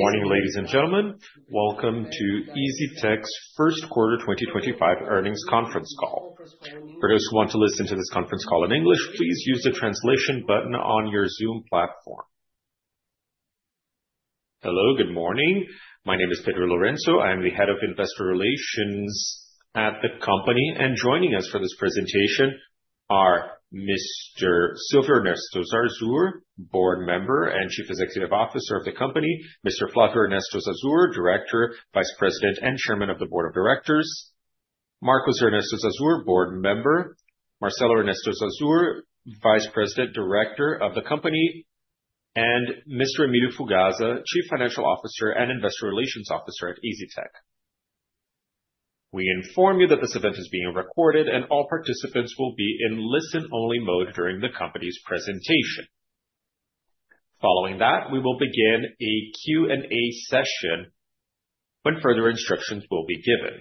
Morning, ladies and gentlemen. Welcome to EZTEC's First Quarter 2025 Earnings Conference Call. For those who want to listen to this conference call in English, please use the translation button on your Zoom platform. Hello, good morning. My name is Pedro Lourenço. I am the Head of Investor Relations at the company, and joining us for this presentation are Mr. Silvio Ernesto Zarzur, Board Member and Chief Executive Officer of the company; Mr. Flávio Ernesto Zarzur, Director, Vice President, and Chairman of the Board of Directors; Marcos Ernesto Zarzur, Board Member; Marcelo Ernesto Zarzur, Vice President, Director of the company; and Mr. Emilio Fugazza, Chief Financial Officer and Investor Relations Officer at EZTEC. We inform you that this event is being recorded, and all participants will be in listen-only mode during the company's presentation. Following that, we will begin a Q&A session when further instructions will be given.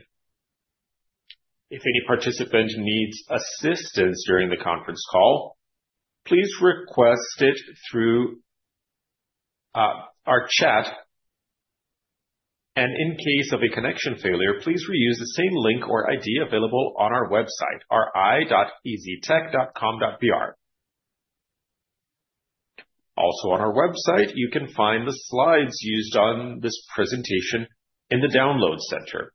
If any participant needs assistance during the conference call, please request it through our chat, and in case of a connection failure, please reuse the same link or ID available on our website, ri.eztec.com.br. Also, on our website, you can find the slides used on this presentation in the download center.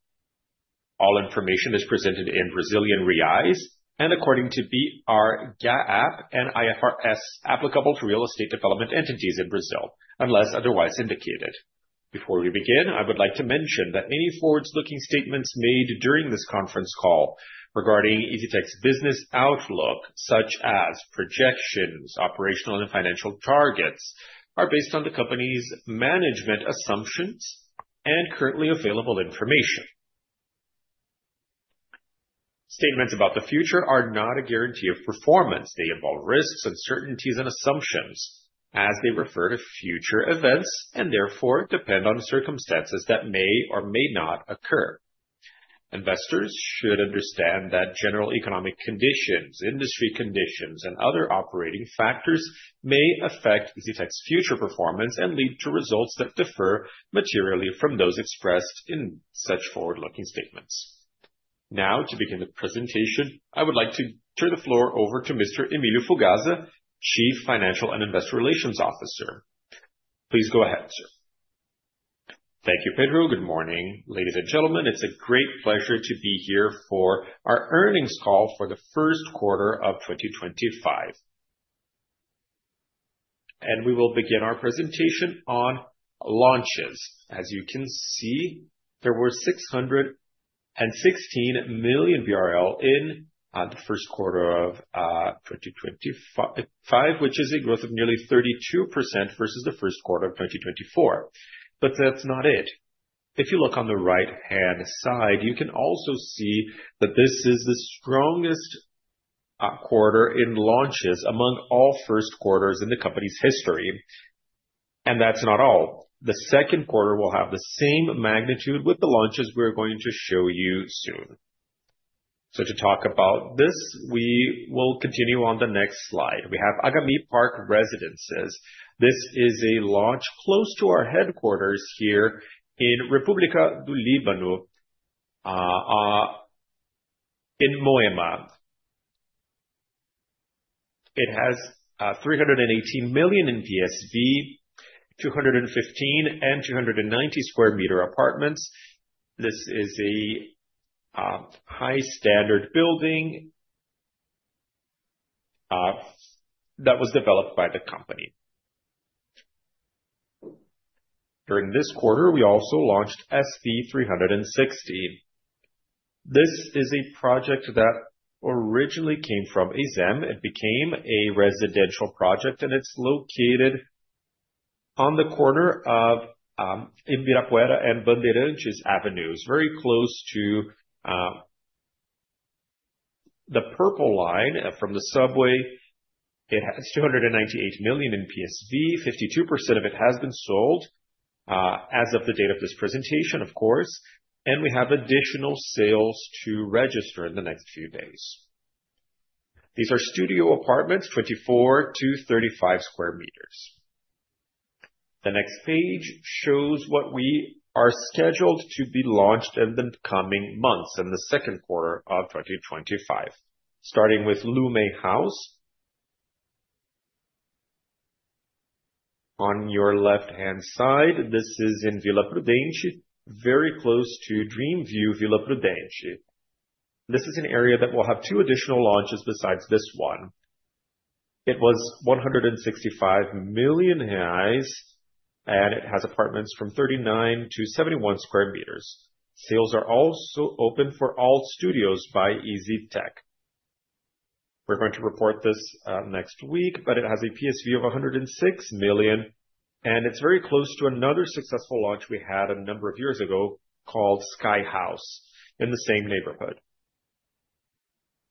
All information is presented in BRL and according to BRGAAP and IFRS, applicable to real estate development entities in Brazil, unless otherwise indicated. Before we begin, I would like to mention that any forward-looking statements made during this conference call regarding EZTEC's business outlook, such as projections, operational, and financial targets, are based on the company's management assumptions and currently available information. Statements about the future are not a guarantee of performance. They involve risks, uncertainties, and assumptions as they refer to future events and therefore depend on circumstances that may or may not occur. Investors should understand that general economic conditions, industry conditions, and other operating factors may affect EZTEC's future performance and lead to results that differ materially from those expressed in such forward-looking statements. Now, to begin the presentation, I would like to turn the floor over to Mr. Emilio Fugazza, Chief Financial and Investor Relations Officer. Please go ahead, sir. Thank you, Pedro. Good morning, ladies and gentlemen. It's a great pleasure to be here for our earnings call for the first quarter of 2025. We will begin our presentation on launches. As you can see, there were 616 million in the first quarter of 2025, which is a growth of nearly 32% versus the first quarter of 2024. That is not it. If you look on the right-hand side, you can also see that this is the strongest quarter in launches among all first quarters in the company's history. That is not all. The second quarter will have the same magnitude with the launches we are going to show you soon. To talk about this, we will continue on the next slide. We have Agami Park Residences. This is a launch close to our headquarters here in República do Líbano, in Moema. It has 318 million in PSV, 215 and 290 sq m apartments. This is a high-standard building that was developed by the company. During this quarter, we also launched SP 360°. This is a project that originally came from EZInc. It became a residential project, and it is located on the corner of Ibirapuera and Bandeirantes Avenues, very close to the purple line from the subway. It has 298 million in PSV. 52% of it has been sold as of the date of this presentation, of course. We have additional sales to register in the next few days. These are studio apartments, 24 sq m-35 sq m. The next page shows what we are scheduled to be launched in the coming months in the second quarter of 2025, starting with Lume House. On your left-hand side, this is in Vila Prudente, very close to Dream View Vila Prudente. This is an area that will have two additional launches besides this one. It was 165 million reais, and it has apartments from 39 sq m-71 sq m. Sales are also open for all Studios by EZTEC. We're going to report this next week, but it has a PSV of 106 million, and it's very close to another successful launch we had a number of years ago called Sky House in the same neighborhood.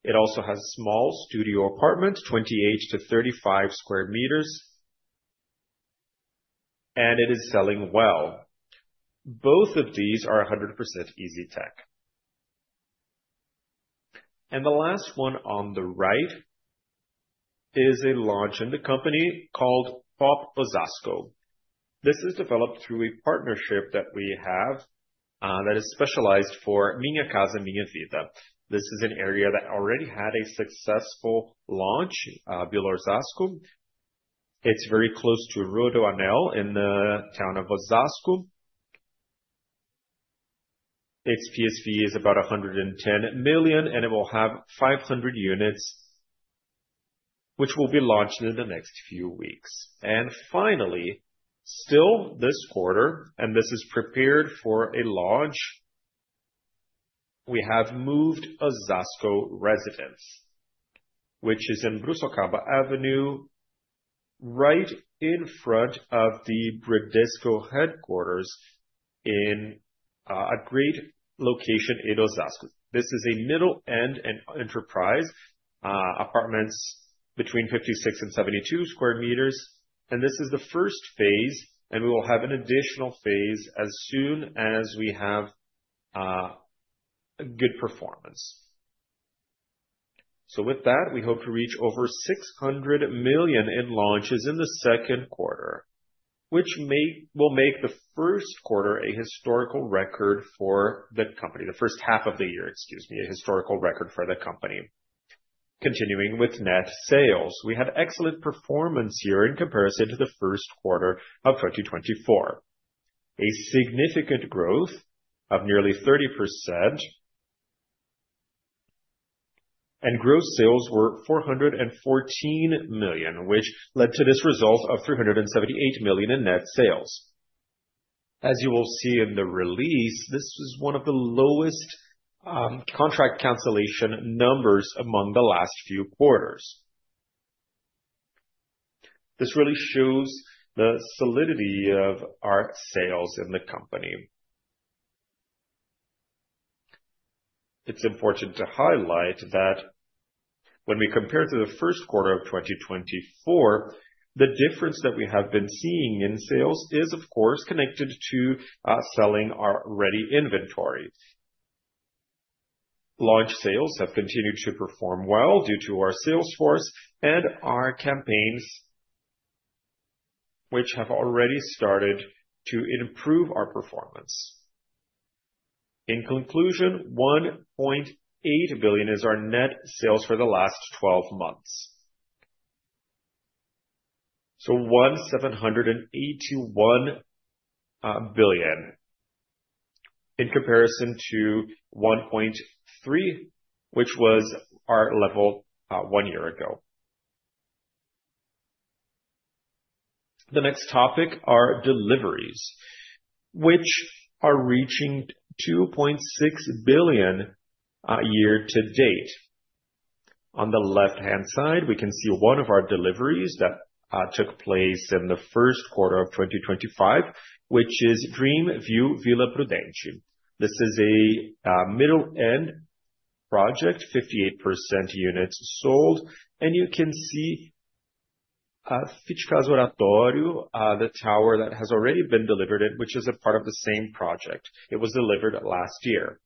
It also has small studio apartments, 28 sq m-35 sq m, and it is selling well. Both of these are 100% EZTEC. The last one on the right is a launch in the company called Pop Osasco. This is developed through a partnership that we have that is specialized for Minha Casa Minha Vida. This is an area that already had a successful launch, Pin Osasco. It is very close to Rodoanel in the town of Osasco. Its PSV is about 110 million, and it will have 500 units, which will be launched in the next few weeks. Finally, still this quarter, and this is prepared for a launch, we have Moved Osasco Residence, which is in Bruçocaba Avenue, right in front of the Bradesco headquarters in a great location in Osasco. This is a middle-end enterprise, apartments between 56 and 72 sq m, and this is the first phase, and we will have an additional phase as soon as we have good performance. With that, we hope to reach over 600 million in launches in the second quarter, which will make the first quarter a historical record for the company, the first half of the year, excuse me, a historical record for the company. Continuing with net sales, we had excellent performance here in comparison to the first quarter of 2024, a significant growth of nearly 30%, and gross sales were 414 million, which led to this result of 378 million in net sales. As you will see in the release, this was one of the lowest contract cancellation numbers among the last few quarters. This really shows the solidity of our sales in the company. It's important to highlight that when we compare to the first quarter of 2024, the difference that we have been seeing in sales is, of course, connected to selling our ready inventory. Launch sales have continued to perform well due to our sales force and our campaigns, which have already started to improve our performance. In conclusion, 1.8 billion is our net sales for the last 12 months. So 1.781 billion in comparison to 1.3 billion, which was our level one year ago. The next topic are deliveries, which are reaching 2.6 billion year to date. On the left-hand side, we can see one of our deliveries that took place in the first quarter of 2025, which is Dream View Vila Prudente. This is a middle-end project, 58% units sold, and you can see at FIT Casa Oratório, the tower that has already been delivered, which is a part of the same project. It was delivered last year.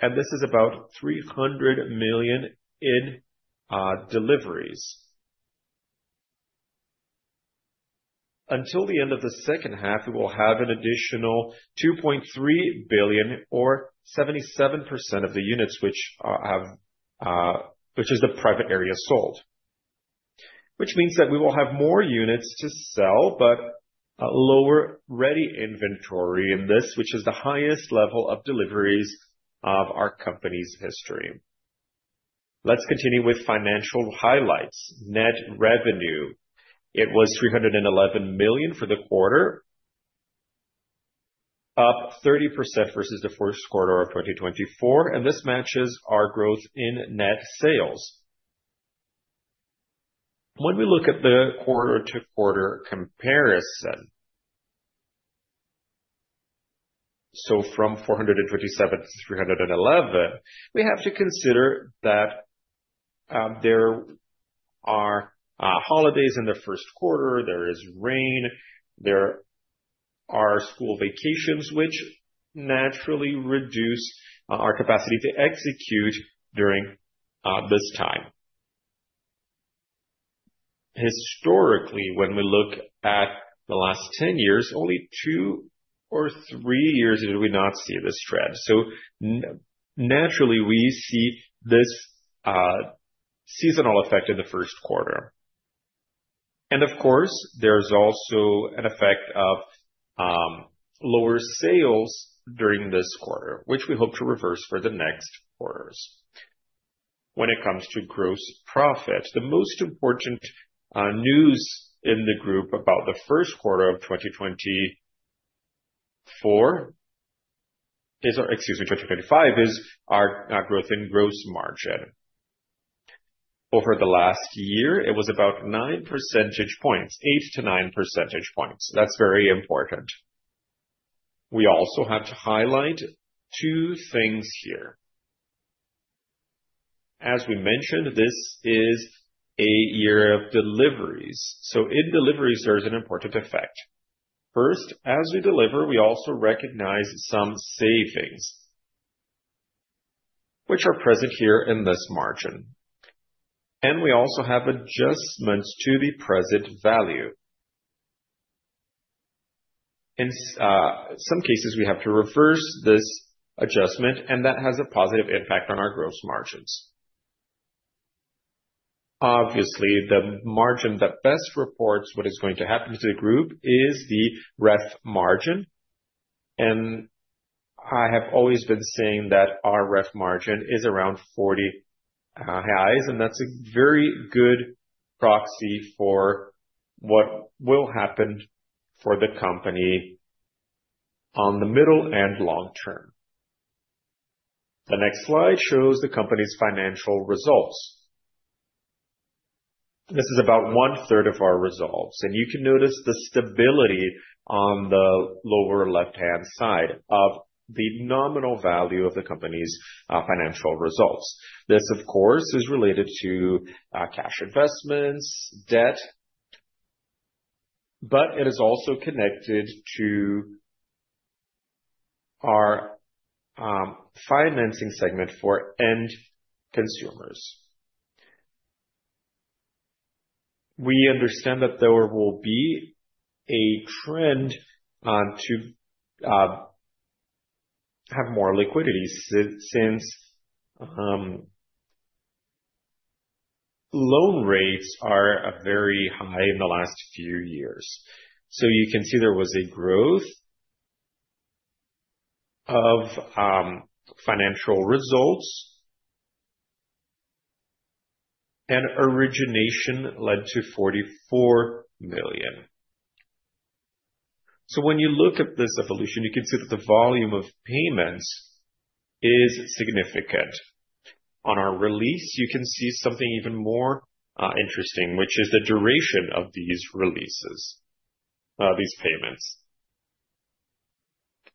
This is about 300 million in deliveries. Until the end of the second half, we will have an additional 2.3 billion, or 77% of the units, which is the private area sold, which means that we will have more units to sell, but lower ready inventory in this, which is the highest level of deliveries of our company's history. Let's continue with financial highlights. Net revenue, it was 311 million for the quarter, up 30% versus the first quarter of 2024, and this matches our growth in net sales. When we look at the quarter-to-quarter comparison, from 427 million to 311 million, we have to consider that there are holidays in the first quarter, there is rain, there are school vacations, which naturally reduce our capacity to execute during this time. Historically, when we look at the last 10 years, only two or three years did we not see this trend. Naturally, we see this seasonal effect in the first quarter. Of course, there is also an effect of lower sales during this quarter, which we hope to reverse for the next quarters. When it comes to gross profit, the most important news in the group about the first quarter of 2024 is, or excuse me, 2025, is our growth in gross margin. Over the last year, it was about 9 percentage points, 8-9 percentage points. That is very important. We also have to highlight two things here. As we mentioned, this is a year of deliveries. In deliveries, there is an important effect. First, as we deliver, we also recognize some savings, which are present here in this margin. We also have adjustments to the present value. In some cases, we have to reverse this adjustment, and that has a positive impact on our gross margins. Obviously, the margin that best reports what is going to happen to the group is the ref margin. I have always been saying that our ref margin is around 40-highs, and that's a very good proxy for what will happen for the company on the middle and long term. The next slide shows the company's financial results. This is about one-third of our results. You can notice the stability on the lower left-hand side of the nominal value of the company's financial results. This, of course, is related to cash investments, debt, but it is also connected to our financing segment for end consumers. We understand that there will be a trend to have more liquidity since loan rates are very high in the last few years. You can see there was a growth of financial results, and origination led to 44 million. When you look at this evolution, you can see that the volume of payments is significant. On our release, you can see something even more interesting, which is the duration of these releases, these payments.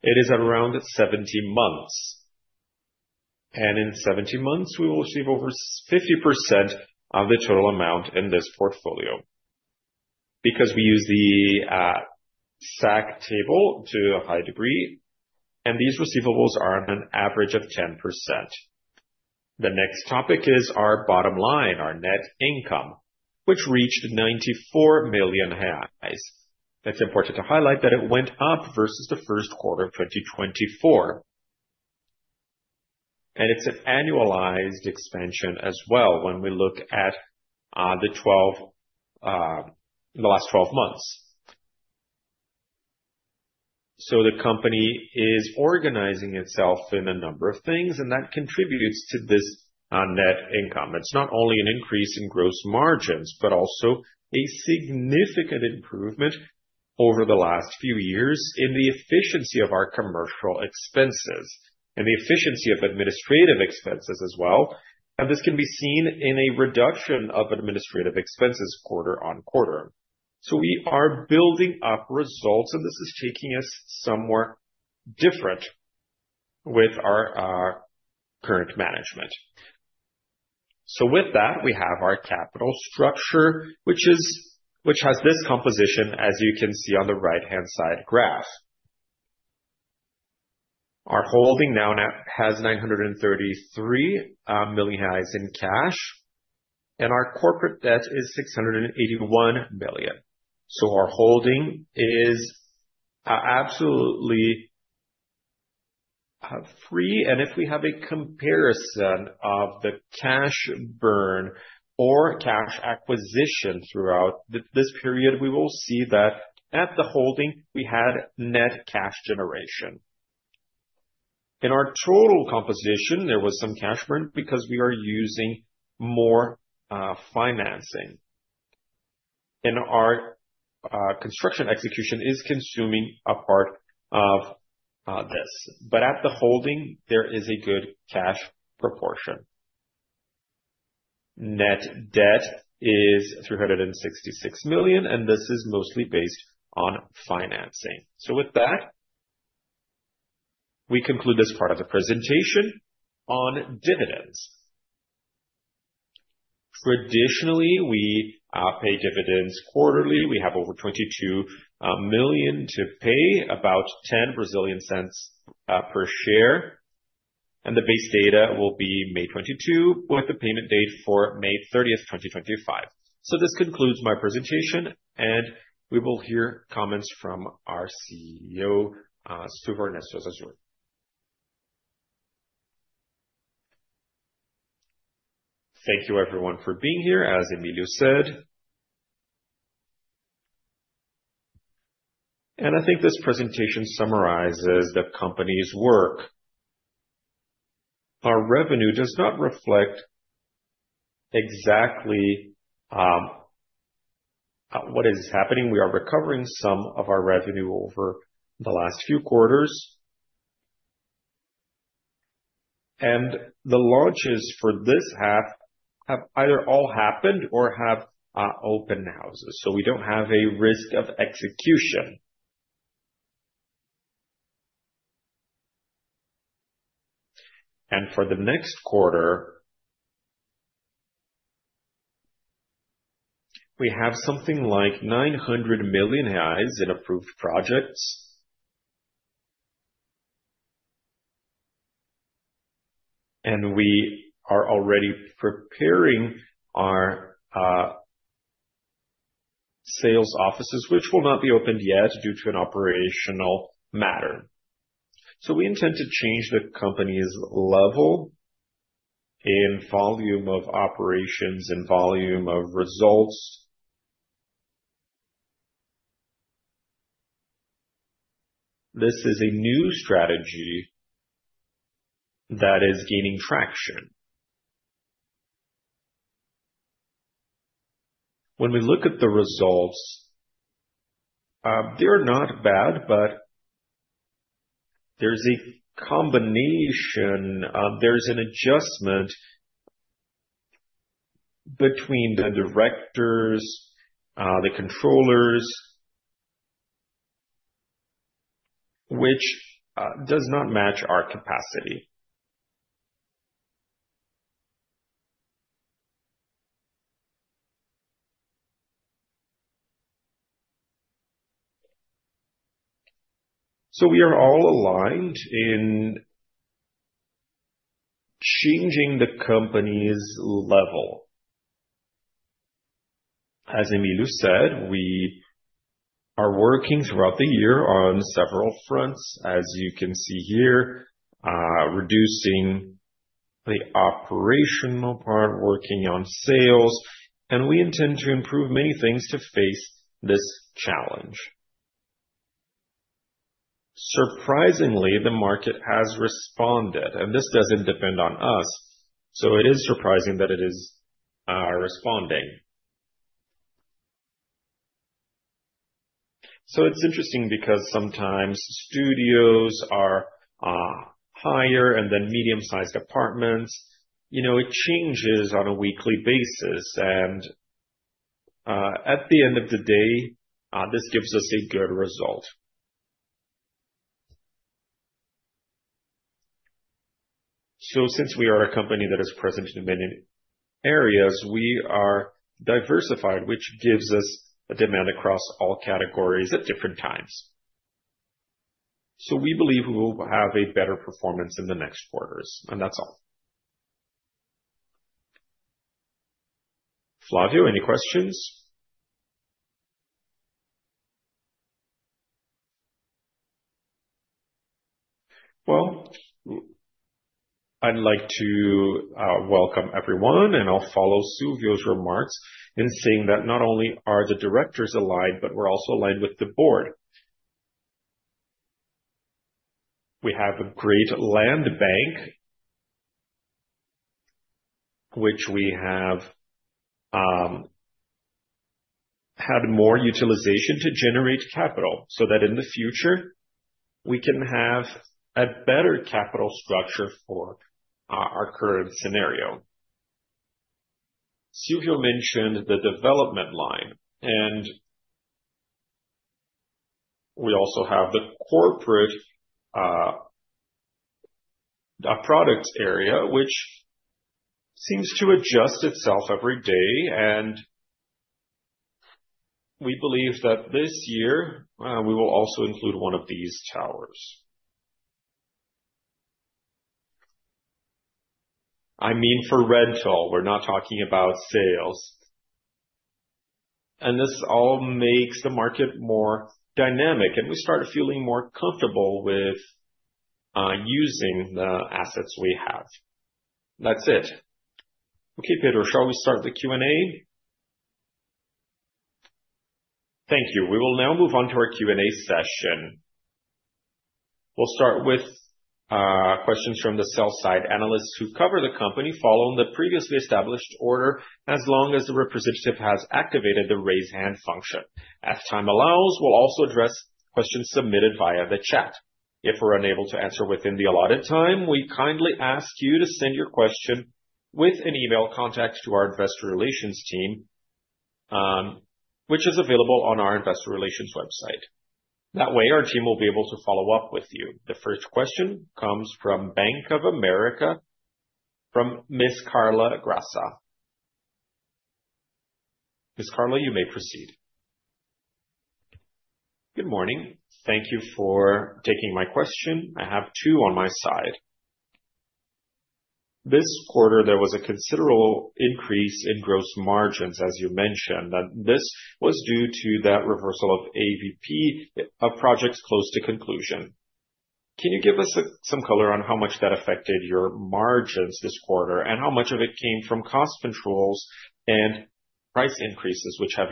It is around 70 months. In 70 months, we will receive over 50% of the total amount in this portfolio because we use the SAC table to a high degree, and these receivables are on an average of 10%. The next topic is our bottom line, our net income, which reached 94 million reais. It's important to highlight that it went up versus the first quarter of 2024. It's an annualized expansion as well when we look at the last 12 months. The company is organizing itself in a number of things, and that contributes to this net income. It's not only an increase in gross margins, but also a significant improvement over the last few years in the efficiency of our commercial expenses and the efficiency of administrative expenses as well. This can be seen in a reduction of administrative expenses quarter on quarter. We are building up results, and this is taking us somewhere different with our current management. With that, we have our capital structure, which has this composition, as you can see on the right-hand side graph. Our holding now has 933 million in cash, and our corporate debt is 681 million. Our holding is absolutely free. If we have a comparison of the cash burn or cash acquisition throughout this period, we will see that at the holding, we had net cash generation. In our total composition, there was some cash burn because we are using more financing. Our construction execution is consuming a part of this. At the holding, there is a good cash proportion. Net debt is 366 million, and this is mostly based on financing. With that, we conclude this part of the presentation on dividends. Traditionally, we pay dividends quarterly. We have over 22 million to pay, about 0.10 per share. The base date will be May 22, with the payment date for May 30th, 2025. This concludes my presentation, and we will hear comments from our CEO, Silvio Ernesto Zarzur. Thank you, everyone, for being here, as Emilio said. I think this presentation summarizes the company's work. Our revenue does not reflect exactly what is happening. We are recovering some of our revenue over the last few quarters. The launches for this half have either all happened or have open houses. We do not have a risk of execution. For the next quarter, we have something like 900 million reais in approved projects. We are already preparing our sales offices, which will not be opened yet due to an operational matter. We intend to change the company's level in volume of operations and volume of results. This is a new strategy that is gaining traction. When we look at the results, they are not bad, but there is a combination. There is an adjustment between the directors, the controllers, which does not match our capacity. We are all aligned in changing the company's level. As Emilio said, we are working throughout the year on several fronts, as you can see here, reducing the operational part, working on sales. We intend to improve many things to face this challenge. Surprisingly, the market has responded, and this does not depend on us. It is surprising that it is responding. It is interesting because sometimes studios are higher and then medium-sized apartments. It changes on a weekly basis. At the end of the day, this gives us a good result. Since we are a company that is present in many areas, we are diversified, which gives us a demand across all categories at different times. We believe we will have a better performance in the next quarters. That is all. Flávio, any questions? I'd like to welcome everyone, and I'll follow Silvio's remarks in saying that not only are the directors aligned, but we're also aligned with the board. We have a great land bank, which we have had more utilization to generate capital so that in the future, we can have a better capital structure for our current scenario. Silvio mentioned the development line. We also have the corporate products area, which seems to adjust itself every day. We believe that this year, we will also include one of these towers. I mean, for rental, we're not talking about sales. This all makes the market more dynamic, and we start feeling more comfortable with using the assets we have. That's it. Okay, Pedro, shall we start the Q&A? Thank you. We will now move on to our Q&A session. We'll start with questions from the sell-side analysts who cover the company following the previously established order as long as the representative has activated the raise hand function. As time allows, we'll also address questions submitted via the chat. If we're unable to answer within the allotted time, we kindly ask you to send your question with an email contact to our investor relations team, which is available on our investor relations website. That way, our team will be able to follow up with you. The first question comes from Bank of America from Ms. Carla Graça. Ms. Carla, you may proceed. Good morning. Thank you for taking my question. I have two on my side. This quarter, there was a considerable increase in gross margins, as you mentioned, and this was due to that reversal of AVP of projects close to conclusion. Can you give us some color on how much that affected your margins this quarter and how much of it came from cost controls and price increases, which have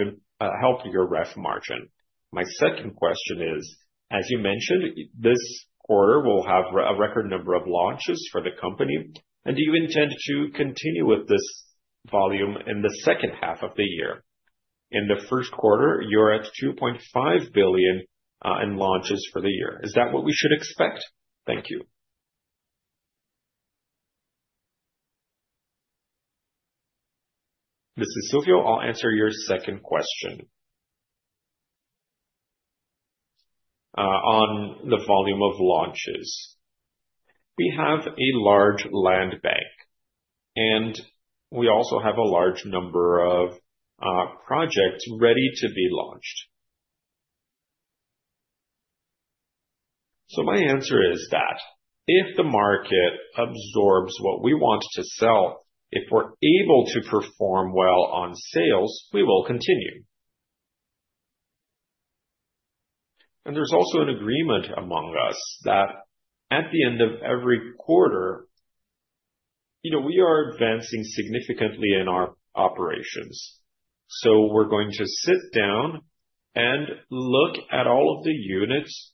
helped your ref margin? My second question is, as you mentioned, this quarter will have a record number of launches for the company. Do you intend to continue with this volume in the second half of the year? In the first quarter, you're at 2.5 billion in launches for the year. Is that what we should expect? Thank you. This is Silvio. I'll answer your second question on the volume of launches. We have a large land bank, and we also have a large number of projects ready to be launched. My answer is that if the market absorbs what we want to sell, if we're able to perform well on sales, we will continue. There is also an agreement among us that at the end of every quarter, we are advancing significantly in our operations. We are going to sit down and look at all of the units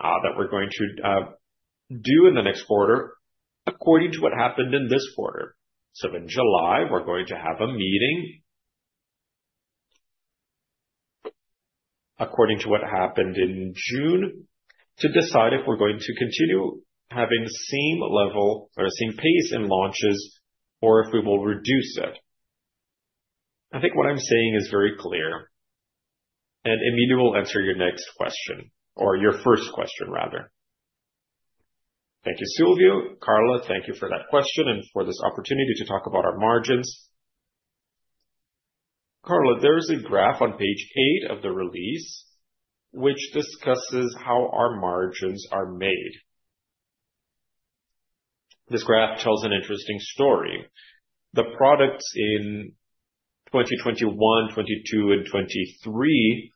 that we are going to do in the next quarter according to what happened in this quarter. In July, we are going to have a meeting according to what happened in June to decide if we are going to continue having the same level or the same pace in launches or if we will reduce it. I think what I am saying is very clear. Emilio will answer your next question or your first question, rather. Thank you, Silvio. Carla, thank you for that question and for this opportunity to talk about our margins. Carla, there is a graph on page eight of the release which discusses how our margins are made. This graph tells an interesting story. The products in 2021, 2022, and 2023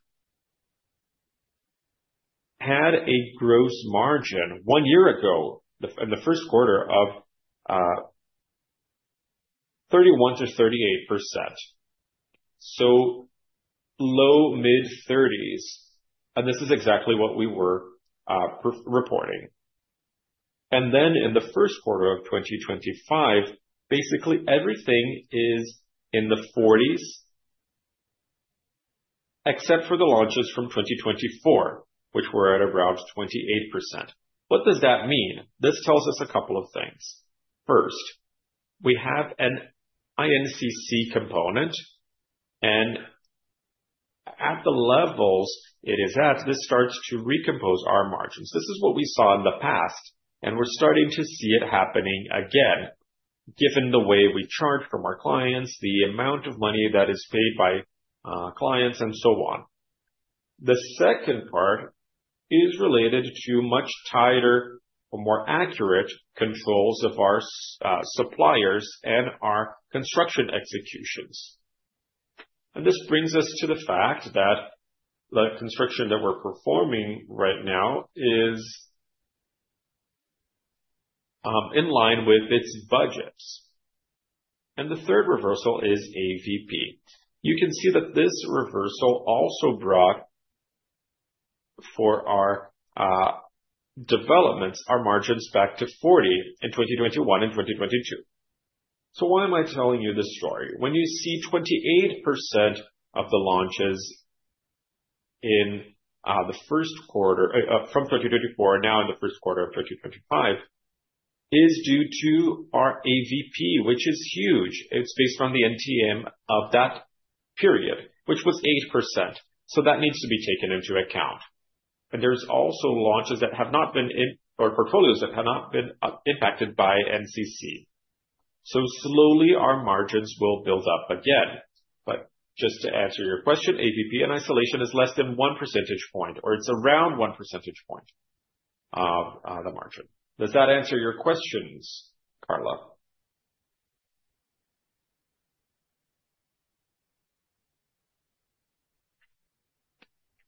had a gross margin one year ago in the first quarter of 31%-38%. Low, mid-30s. This is exactly what we were reporting. In the first quarter of 2025, basically everything is in the 40s except for the launches from 2024, which were at around 28%. What does that mean? This tells us a couple of things. First, we have an INCC component. At the levels it is at, this starts to recompose our margins. This is what we saw in the past, and we're starting to see it happening again, given the way we charge from our clients, the amount of money that is paid by clients, and so on. The second part is related to much tighter or more accurate controls of our suppliers and our construction executions. This brings us to the fact that the construction that we're performing right now is in line with its budgets. The third reversal is AVP. You can see that this reversal also brought for our developments, our margins back to 40% in 2021 and 2022. Why am I telling you this story? When you see 28% of the launches in the first quarter from 2024, now in the first quarter of 2025, it is due to our AVP, which is huge. It is based on the NTM of that period, which was 8%. That needs to be taken into account. There are also launches that have not been or portfolios that have not been impacted by INCC. Slowly, our margins will build up again. Just to answer your question, AVP in isolation is less than one percentage point, or it's around one percentage point of the margin. Does that answer your questions, Carla?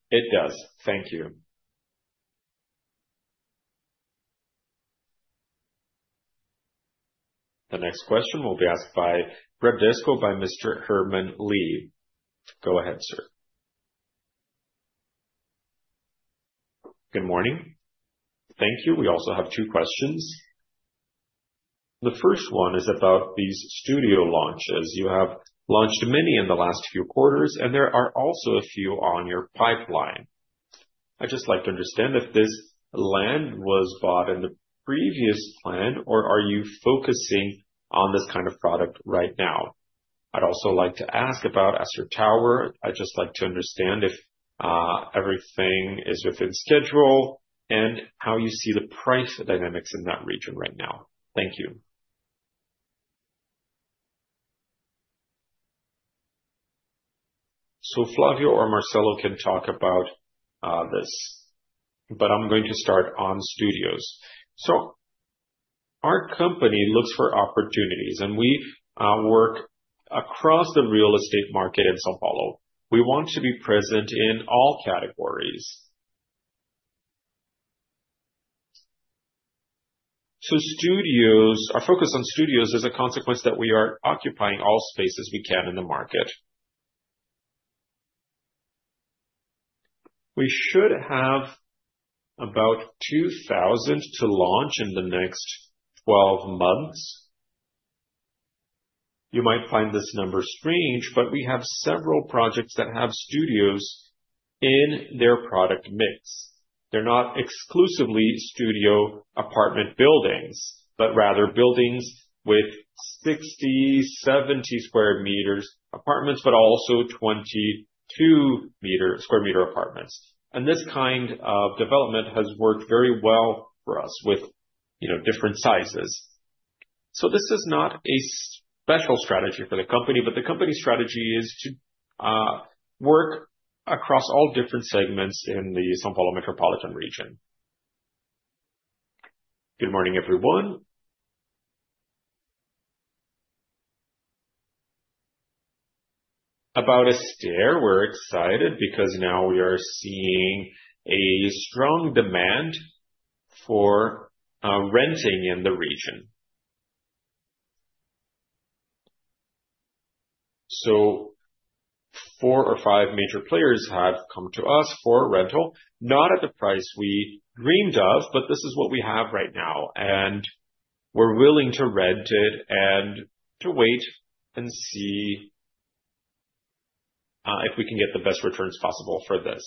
It does. Thank you. The next question will be asked by Bradesco, by Mr. Herman Lee. Go ahead, sir. Good morning. Thank you. We also have two questions. The first one is about these studio launches. You have launched many in the last few quarters, and there are also a few on your pipeline. I'd just like to understand if this land was bought in the previous plan, or are you focusing on this kind of product right now? I'd also like to ask about Esther Tower. I'd just like to understand if everything is within schedule and how you see the price dynamics in that region right now. Thank you. Flavio or Marcelo can talk about this, but I'm going to start on studios. Our company looks for opportunities, and we work across the real estate market in São Paulo. We want to be present in all categories. Studios, our focus on studios is a consequence that we are occupying all spaces we can in the market. We should have about 2,000 to launch in the next 12 months. You might find this number strange, but we have several projects that have studios in their product mix. They're not exclusively studio apartment buildings, but rather buildings with 60 sq m-70 sq m apartments, but also 22 sq m apartments. This kind of development has worked very well for us with different sizes. This is not a special strategy for the company, but the company's strategy is to work across all different segments in the São Paulo metropolitan region. Good morning, everyone. About Esther, we're excited because now we are seeing a strong demand for renting in the region. Four or five major players have come to us for rental, not at the price we dreamed of, but this is what we have right now. We're willing to rent it and to wait and see if we can get the best returns possible for this.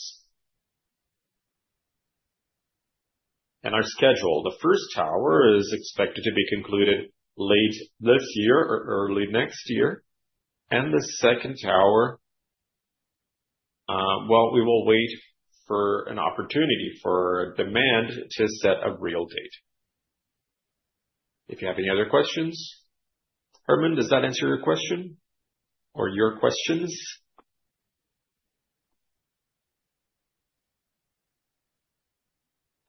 Our schedule, the first tower is expected to be concluded late this year or early next year. The second tower, we will wait for an opportunity for demand to set a real date. If you have any other questions, Herman, does that answer your question or your questions?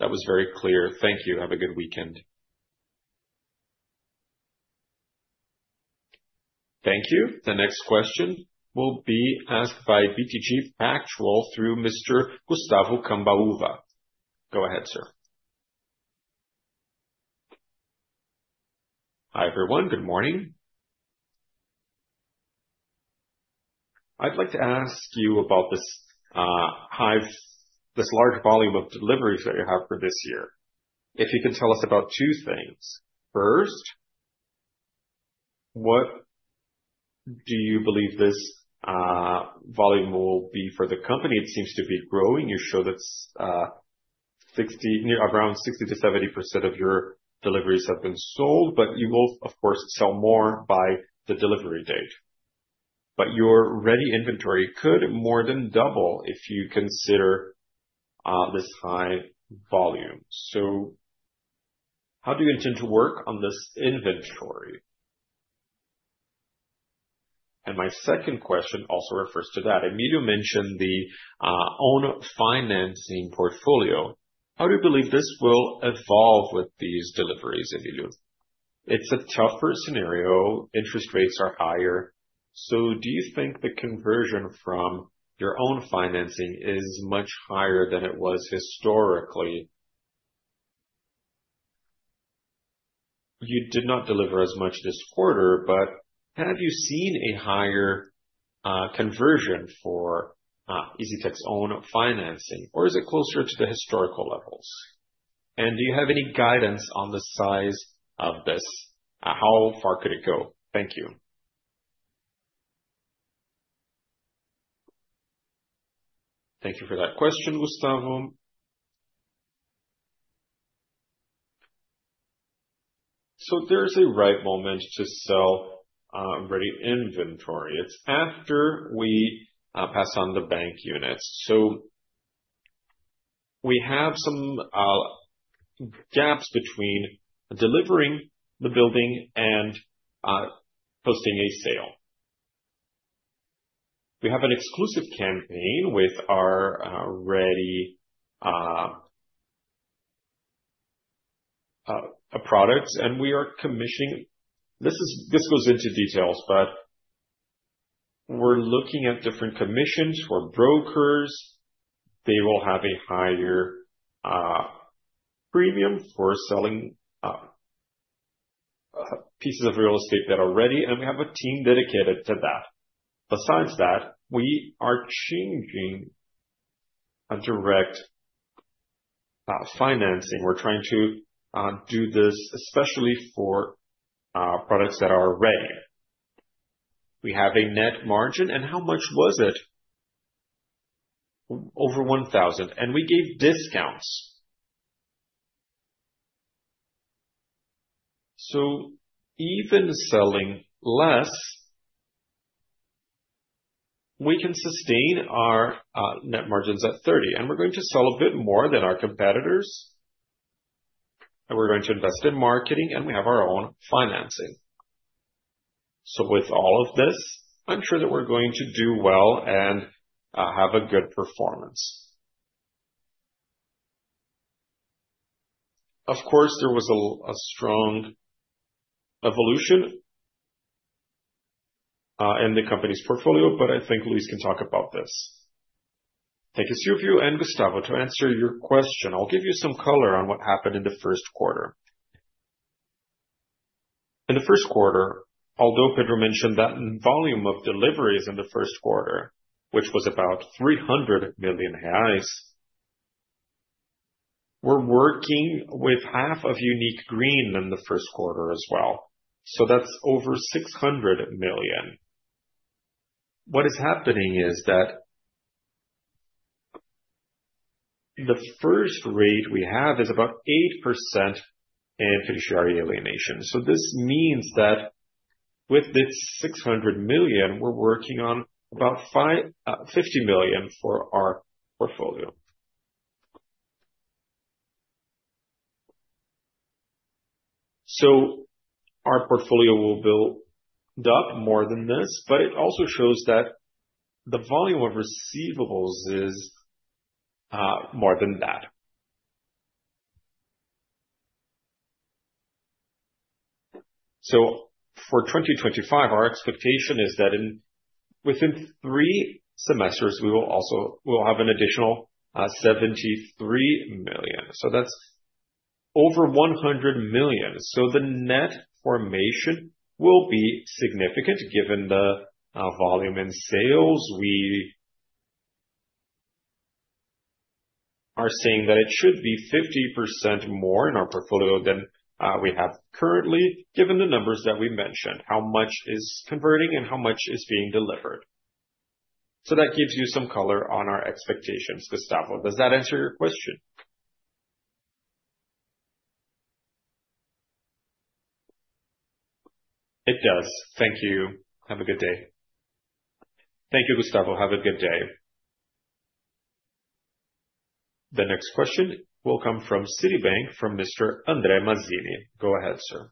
That was very clear. Thank you. Have a good weekend. Thank you. The next question will be asked by BTG Pactual through Mr. Gustavo Cambaúva. Go ahead, sir. Hi, everyone. Good morning. I'd like to ask you about this large volume of deliveries that you have for this year. If you can tell us about two things. First, what do you believe this volume will be for the company? It seems to be growing. You show that around 60%-70% of your deliveries have been sold, but you will, of course, sell more by the delivery date. Your ready inventory could more than double if you consider this high volume. How do you intend to work on this inventory? My second question also refers to that. Emilio mentioned the own financing portfolio. How do you believe this will evolve with these deliveries, Emilio? It's a tougher scenario. Interest rates are higher. Do you think the conversion from your own financing is much higher than it was historically? You did not deliver as much this quarter, but have you seen a higher conversion for EZTEC's own financing, or is it closer to the historical levels? Do you have any guidance on the size of this? How far could it go? Thank you. Thank you for that question, Gustavo. There's a right moment to sell ready inventory. It's after we pass on the bank units. We have some gaps between delivering the building and posting a sale. We have an exclusive campaign with our ready products, and we are commissioning. This goes into details, but we're looking at different commissions for brokers. They will have a higher premium for selling pieces of real estate that are ready, and we have a team dedicated to that. Besides that, we are changing a direct financing. We're trying to do this especially for products that are ready. We have a net margin, and how much was it? Over 1,000. And we gave discounts. Even selling less, we can sustain our net margins at 30%. We're going to sell a bit more than our competitors. We're going to invest in marketing, and we have our own financing. With all of this, I'm sure that we're going to do well and have a good performance. Of course, there was a strong evolution in the company's portfolio, but I think Luis can talk about this. Thank you, Silvio and Gustavo, to answer your question. I'll give you some color on what happened in the first quarter. In the first quarter, although Pedro mentioned that volume of deliveries in the first quarter, which was about 300 million reais, we're working with half of Unique Green in the first quarter as well. That's over 600 million. What is happening is that the first rate we have is about 8% in fiduciary alienation. This means that with this 600 million, we're working on about 50 million for our portfolio. Our portfolio will build up more than this, but it also shows that the volume of receivables is more than that. For 2025, our expectation is that within three semesters, we will have an additional 73 million. That's over 100 million. The net formation will be significant given the volume in sales. We are saying that it should be 50% more in our portfolio than we have currently, given the numbers that we mentioned, how much is converting and how much is being delivered. That gives you some color on our expectations, Gustavo. Does that answer your question? It does. Thank you. Have a good day. Thank you, Gustavo. Have a good day. The next question will come from Citibank from Mr. André Mazzini. Go ahead, sir.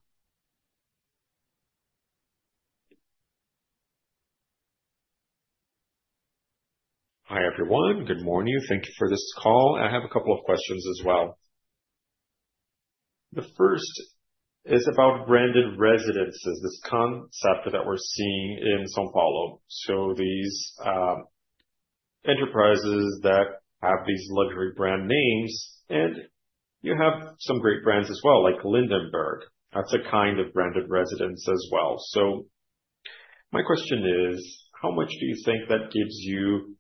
Hi, everyone. Good morning. Thank you for this call. I have a couple of questions as well. The first is about branded residences, this concept that we are seeing in São Paulo. These enterprises that have these luxury brand names, and you have some great brands as well, like Lindenberg. That is a kind of branded residence as well. My question is, how much do you think that gives you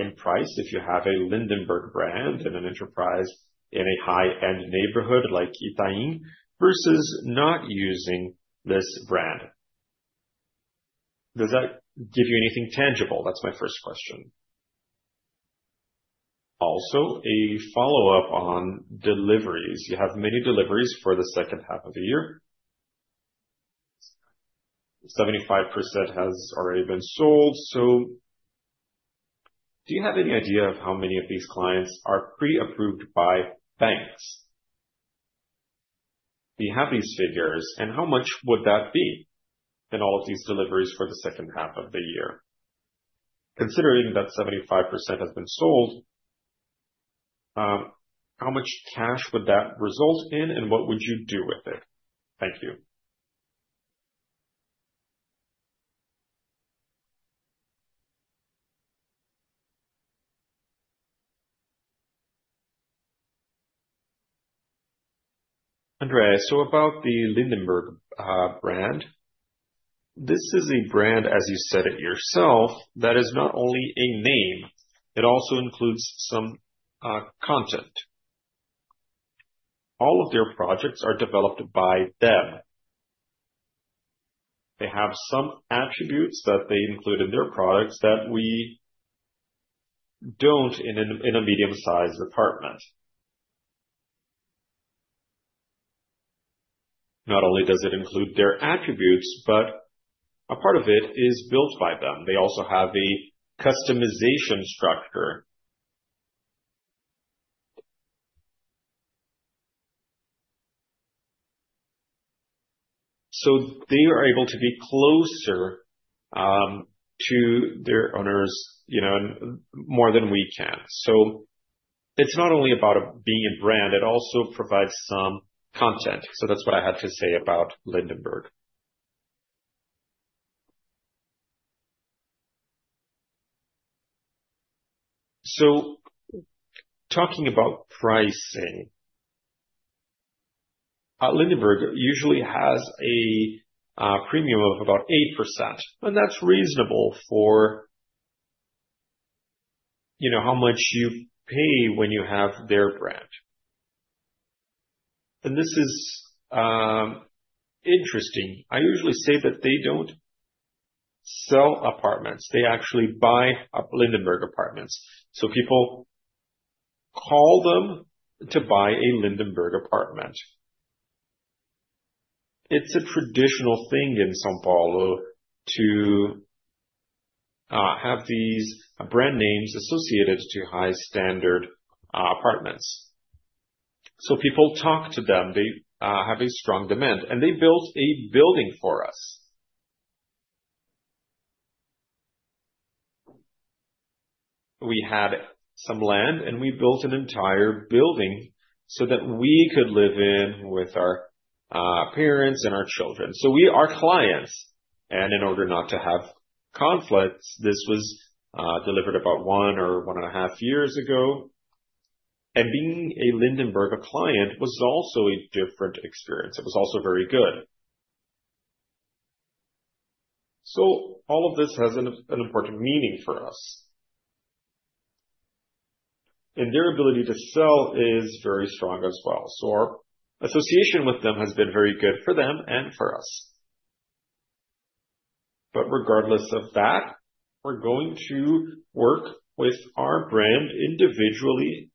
in price if you have a Lindenberg brand and an enterprise in a high-end neighborhood like Itaim versus not using this brand? Does that give you anything tangible? That is my first question. Also, a follow-up on deliveries. You have many deliveries for the second half of the year. 75% has already been sold. Do you have any idea of how many of these clients are pre-approved by banks? Do you have these figures, and how much would that be in all of these deliveries for the second half of the year? Considering that 75% has been sold, how much cash would that result in, and what would you do with it? Thank you. André, about the Lindenberg brand. This is a brand, as you said it yourself, that is not only a name. It also includes some content. All of their projects are developed by them. They have some attributes that they include in their products that we do not in a medium-sized apartment. Not only does it include their attributes, but a part of it is built by them. They also have a customization structure. They are able to be closer to their owners more than we can. It is not only about being a brand. It also provides some content. That is what I had to say about Lindenberg. Talking about pricing, Lindenberg usually has a premium of about 8%. That is reasonable for how much you pay when you have their brand. This is interesting. I usually say that they do not sell apartments. They actually buy Lindenberg apartments. People call them to buy a Lindenberg apartment. is a traditional thing in São Paulo to have these brand names associated to high-standard apartments. People talk to them. They have a strong demand. They built a building for us. We had some land, and we built an entire building so that we could live in with our parents and our children. We are clients. In order not to have conflicts, this was delivered about one or one and a half years ago. Being a Lindenberg client was also a different experience. It was also very good. All of this has an important meaning for us. Their ability to sell is very strong as well. Our association with them has been very good for them and for us. Regardless of that, we are going to work with our brand individually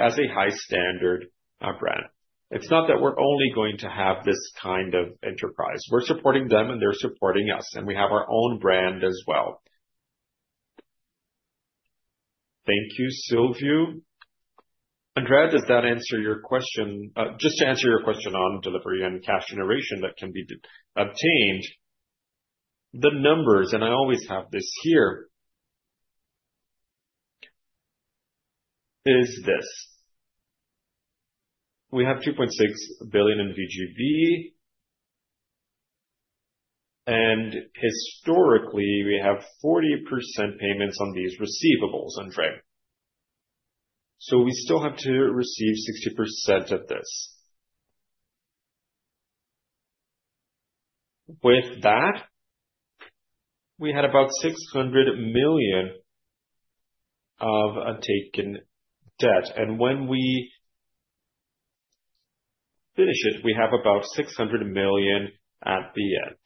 as a high-standard brand. It's not that we're only going to have this kind of enterprise. We're supporting them, and they're supporting us. We have our own brand as well. Thank you, Silvio. André, does that answer your question? Just to answer your question on delivery and cash generation that can be obtained, the numbers—and I always have this here—is this. We have 2.6 billion in VGB. Historically, we have 40% payments on these receivables, André. We still have to receive 60% of this. With that, we had about 600 million of a taken debt. When we finish it, we have about 600 million at the end,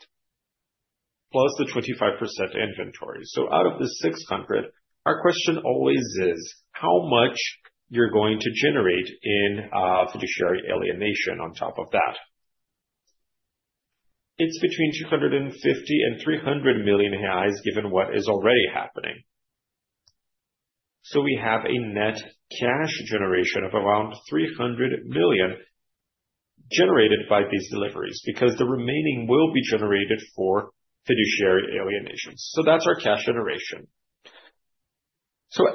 plus the 25% inventory. Out of the 600 million, our question always is, how much you're going to generate in fiduciary alienation on top of that? It's between 250 million and 300 million reais, given what is already happening. We have a net cash generation of around 300 million generated by these deliveries because the remaining will be generated for fiduciary alienation. That is our cash generation.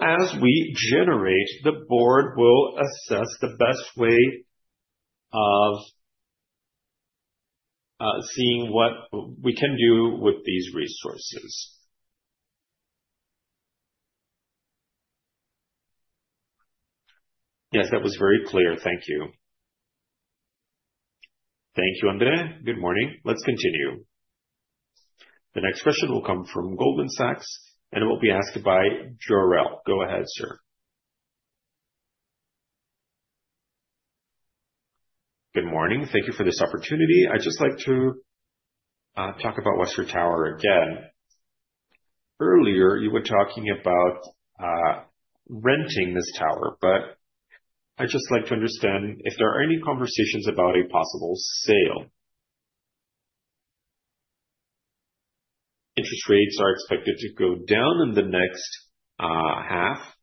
As we generate, the board will assess the best way of seeing what we can do with these resources. Yes, that was very clear. Thank you. Thank you, André. Good morning. Let's continue. The next question will come from Goldman Sachs, and it will be asked by Jorel. Go ahead, sir. Good morning. Thank you for this opportunity. I'd just like to talk about Esther Tower again. Earlier, you were talking about renting this tower, but I'd just like to understand if there are any conversations about a possible sale. Interest rates are expected to go down in the next half.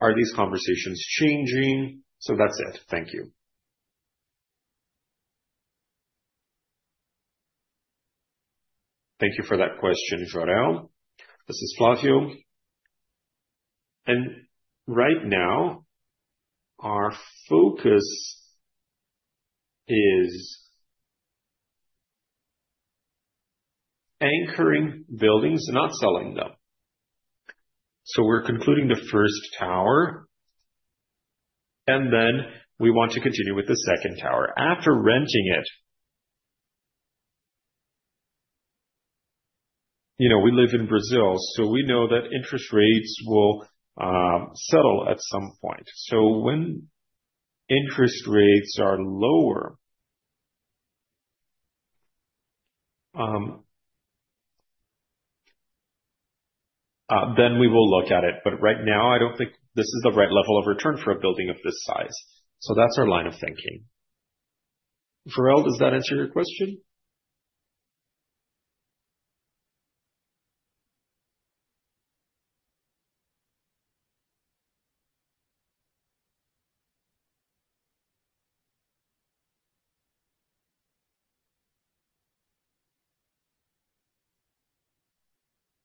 Are these conversations changing? That is it. Thank you. Thank you for that question, Jorel. This is Flávio. Right now, our focus is anchoring buildings and not selling them. We are concluding the first tower, and then we want to continue with the second tower. After renting it, we live in Brazil, so we know that interest rates will settle at some point. When interest rates are lower, then we will look at it. Right now, I do not think this is the right level of return for a building of this size. That is our line of thinking. Jorel, does that answer your question?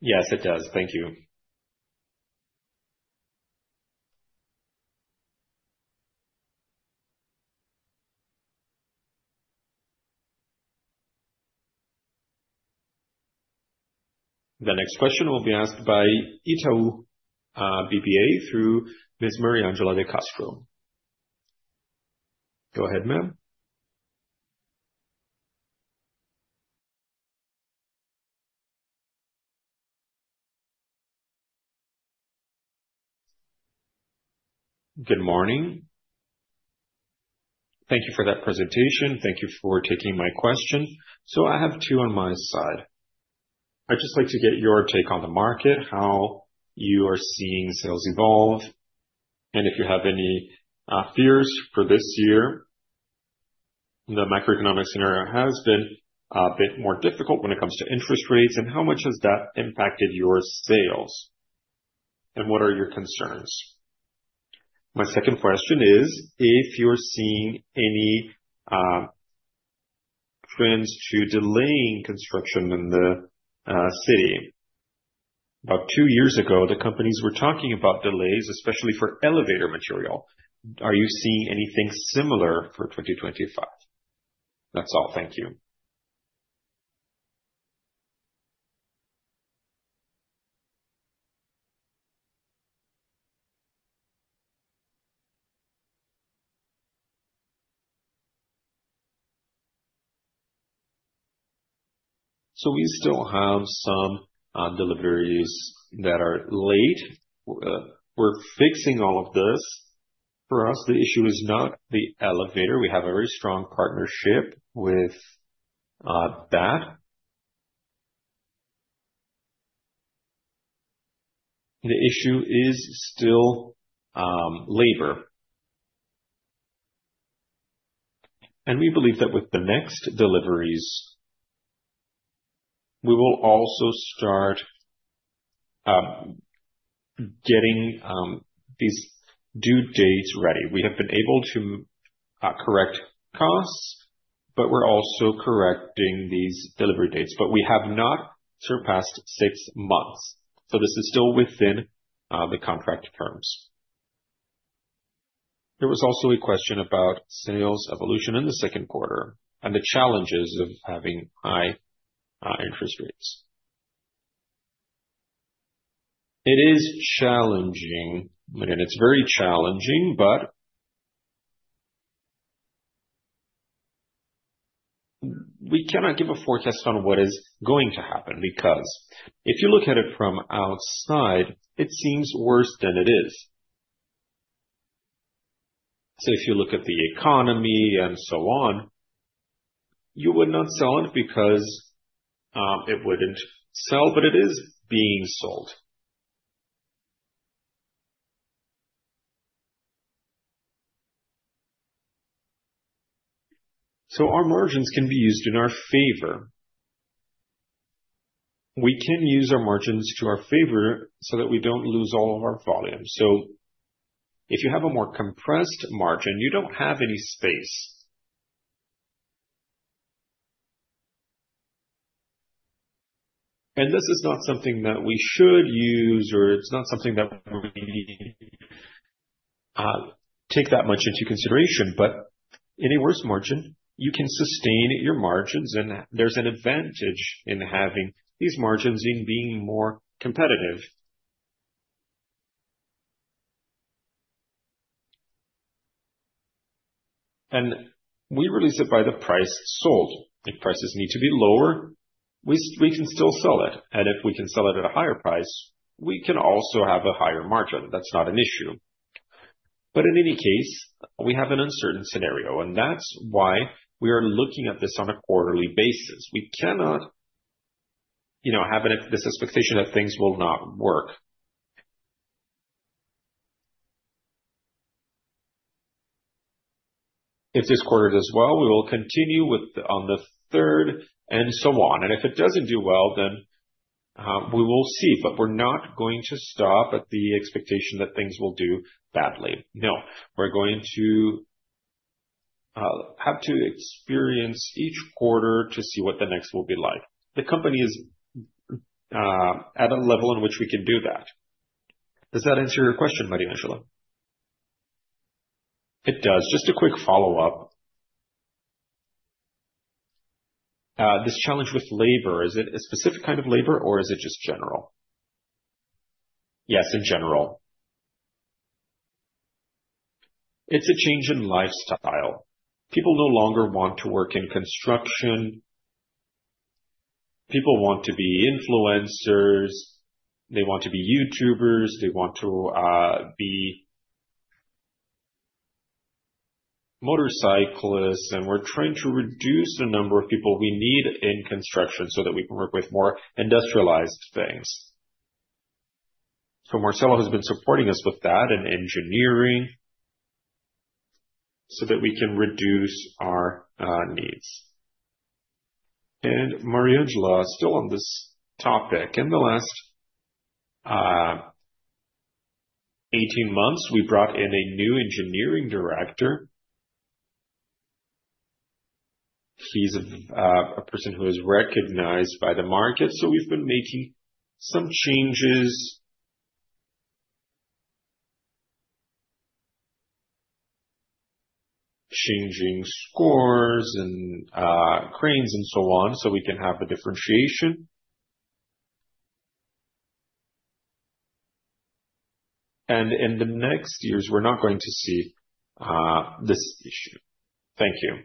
Yes, it does. Thank you. The next question will be asked by Itaú BBA through Ms. Mariangela de Castro. Go ahead, ma'am. Good morning. Thank you for that presentation. Thank you for taking my question. I have two on my side. I'd just like to get your take on the market, how you are seeing sales evolve, and if you have any fears for this year. The macroeconomic scenario has been a bit more difficult when it comes to interest rates. How much has that impacted your sales? What are your concerns? My second question is if you're seeing any trends to delaying construction in the city. About two years ago, the companies were talking about delays, especially for elevator material. Are you seeing anything similar for 2025? That's all. Thank you. We still have some deliveries that are late. We're fixing all of this. For us, the issue is not the elevator. We have a very strong partnership with that. The issue is still labor. We believe that with the next deliveries, we will also start getting these due dates ready. We have been able to correct costs, but we're also correcting these delivery dates. We have not surpassed six months. This is still within the contract terms. There was also a question about sales evolution in the second quarter and the challenges of having high interest rates. It is challenging, and it's very challenging, but we cannot give a forecast on what is going to happen because if you look at it from outside, it seems worse than it is. If you look at the economy and so on, you would not sell it because it would not sell, but it is being sold. Our margins can be used in our favor. We can use our margins to our favor so that we do not lose all of our volume. If you have a more compressed margin, you do not have any space. This is not something that we should use, or it's not something that we take that much into consideration. In a worse margin, you can sustain your margins, and there's an advantage in having these margins in being more competitive. We release it by the price sold. If prices need to be lower, we can still sell it. If we can sell it at a higher price, we can also have a higher margin. That's not an issue. In any case, we have an uncertain scenario, and that's why we are looking at this on a quarterly basis. We cannot have this expectation that things will not work. If this quarter does well, we will continue on the third and so on. If it doesn't do well, then we will see. We are not going to stop at the expectation that things will do badly. No. We are going to have to experience each quarter to see what the next will be like. The company is at a level in which we can do that. Does that answer your question, Mariangela? It does. Just a quick follow-up. This challenge with labor, is it a specific kind of labor, or is it just general? Yes, in general. It is a change in lifestyle. People no longer want to work in construction. People want to be influencers. They want to be YouTubers. They want to be motorcyclists. We are trying to reduce the number of people we need in construction so that we can work with more industrialized things. Marcelo has been supporting us with that and engineering so that we can reduce our needs. Mariangela is still on this topic. In the last 18 months, we brought in a new engineering director. He's a person who is recognized by the market. So we've been making some changes, changing scores and cranes and so on so we can have a differentiation. In the next years, we're not going to see this issue. Thank you.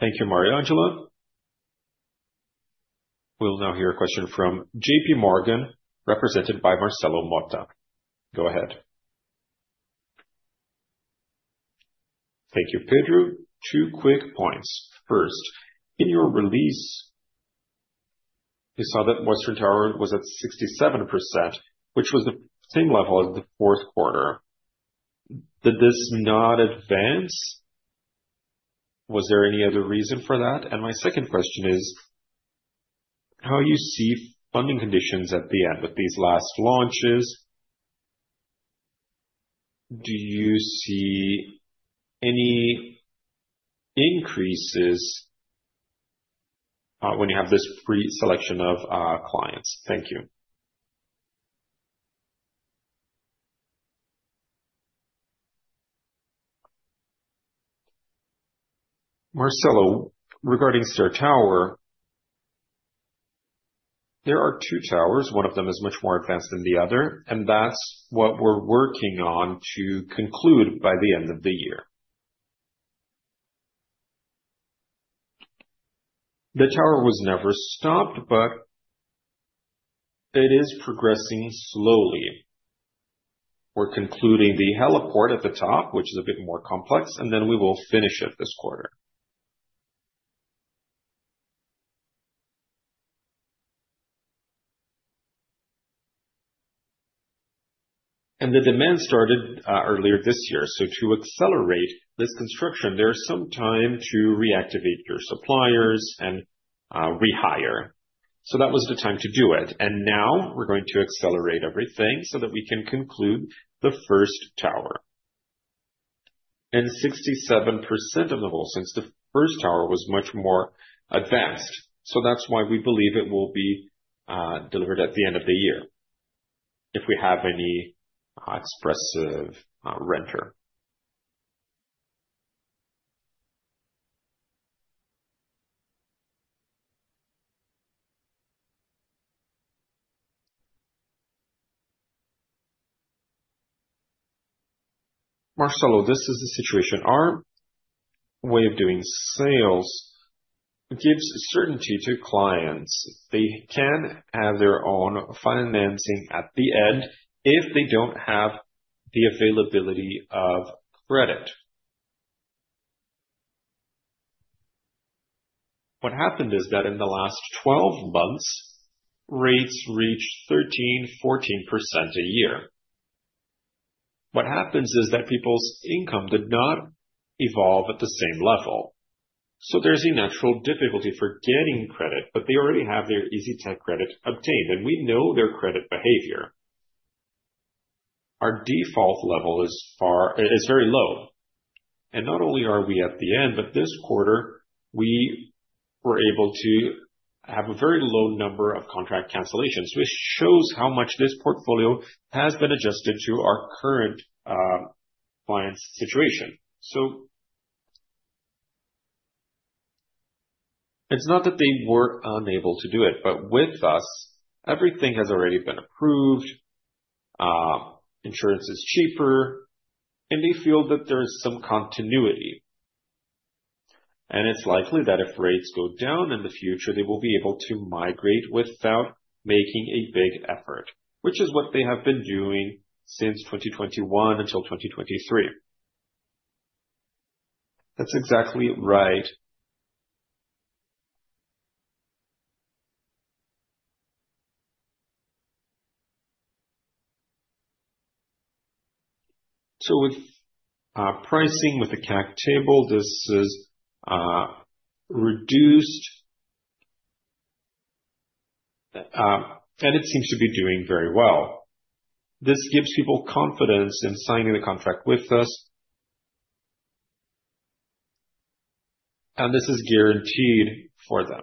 Thank you, Mariangela. We'll now hear a question from JPMorgan, represented by Marcelo Motta. Go ahead. Thank you, Pedro. Two quick points. First, in your release, we saw that Esther Tower was at 67%, which was the same level as the fourth quarter. Did this not advance? Was there any other reason for that? My second question is how you see funding conditions at the end with these last launches. Do you see any increases when you have this pre-selection of clients? Thank you. Marcelo, regarding Esther Tower, there are two towers. One of them is much more advanced than the other. That is what we're working on to conclude by the end of the year. The tower was never stopped, but it is progressing slowly. We're concluding the heliport at the top, which is a bit more complex, and then we will finish it this quarter. The demand started earlier this year. To accelerate this construction, there is some time to reactivate your suppliers and rehire. That was the time to do it. Now we're going to accelerate everything so that we can conclude the first tower. Sixty-seven percent of the whole since the first tower was much more advanced. That is why we believe it will be delivered at the end of the year if we have any expressive renter. Marcelo, this is the situation. Our way of doing sales gives certainty to clients. They can have their own financing at the end if they do not have the availability of credit. What happened is that in the last 12 months, rates reached 13%-14% a year. What happens is that people's income did not evolve at the same level. There is a natural difficulty for getting credit, but they already have their EZTEC credit obtained, and we know their credit behavior. Our default level is very low. Not only are we at the end, but this quarter, we were able to have a very low number of contract cancellations, which shows how much this portfolio has been adjusted to our current client's situation. It is not that they were unable to do it, but with us, everything has already been approved. Insurance is cheaper, and they feel that there is some continuity. It is likely that if rates go down in the future, they will be able to migrate without making a big effort, which is what they have been doing since 2021 until 2023. That is exactly right. With pricing, with the SAC Table, this is reduced, and it seems to be doing very well. This gives people confidence in signing the contract with us, and this is guaranteed for them.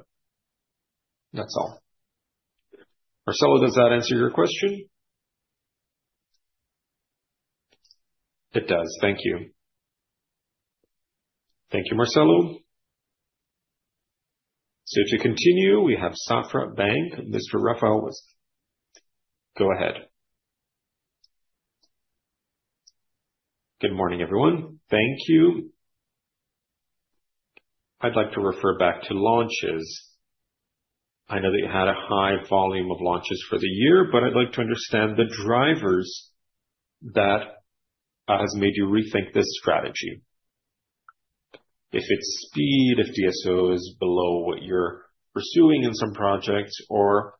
That is all. Marcelo, does that answer your question? It does. Thank you. Thank you, Marcelo. To continue, we have Safra Bank. Mr. Rafael, please go ahead. Good morning, everyone. Thank you. I would like to refer back to launches. I know that you had a high volume of launches for the year, but I would like to understand the drivers that have made you rethink this strategy. If it is speed, if DSO is below what you are pursuing in some projects, or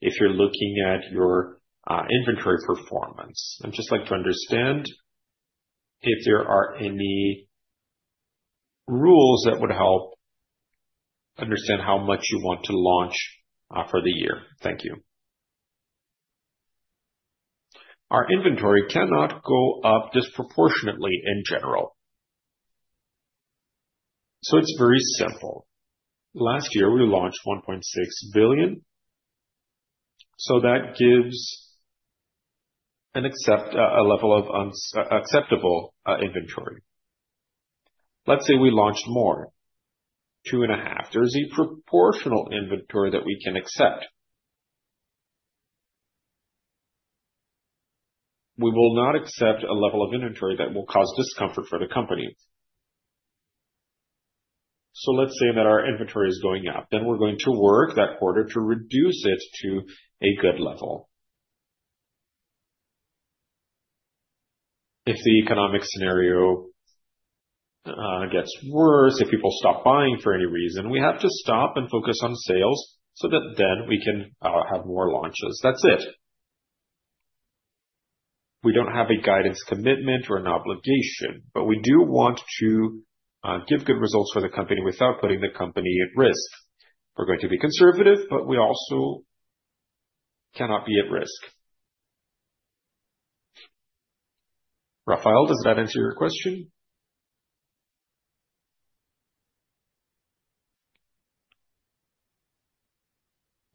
if you are looking at your inventory performance. I would just like to understand if there are any rules that would help understand how much you want to launch for the year. Thank you. Our inventory cannot go up disproportionately in general. It is very simple. Last year, we launched 1.6 billion. That gives a level of acceptable inventory. Let us say we launched more, 2.5 billion. There is a proportional inventory that we can accept. We will not accept a level of inventory that will cause discomfort for the company. Let us say that our inventory is going up, then we are going to work that quarter to reduce it to a good level. If the economic scenario gets worse, if people stop buying for any reason, we have to stop and focus on sales so that then we can have more launches. That's it. We don't have a guidance commitment or an obligation, but we do want to give good results for the company without putting the company at risk. We're going to be conservative, but we also cannot be at risk. Rafael, does that answer your question?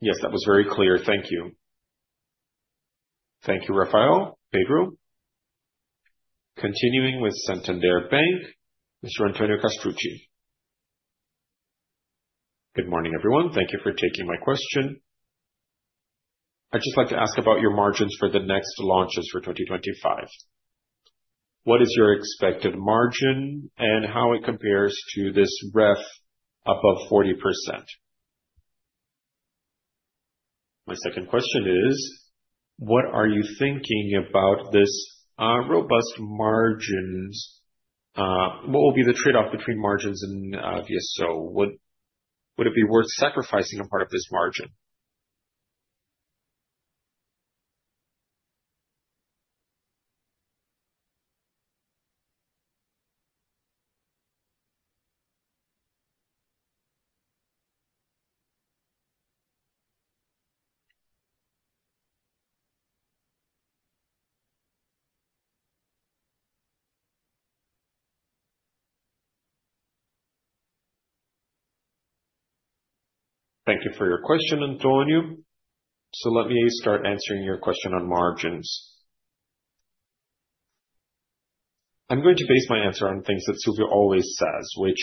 Yes, that was very clear. Thank you. Thank you, Rafael. Pedro. Continuing with Santander Bank, Mr. Antonio Castrucci. Good morning, everyone. Thank you for taking my question. I'd just like to ask about your margins for the next launches for 2025. What is your expected margin and how it compares to this ref above 40%? My second question is, what are you thinking about this robust margins? What will be the trade-off between margins and DSO? Would it be worth sacrificing a part of this margin? Thank you for your question, Antonio. Let me start answering your question on margins. I'm going to base my answer on things that Silvio always says, which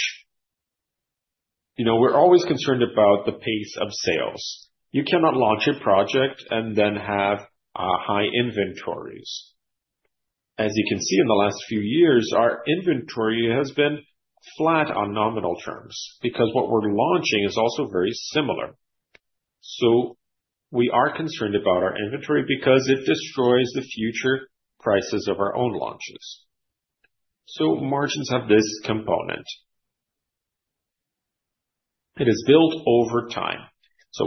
is we're always concerned about the pace of sales. You cannot launch a project and then have high inventories. As you can see, in the last few years, our inventory has been flat on nominal terms because what we're launching is also very similar. We are concerned about our inventory because it destroys the future prices of our own launches. Margins have this component. It is built over time.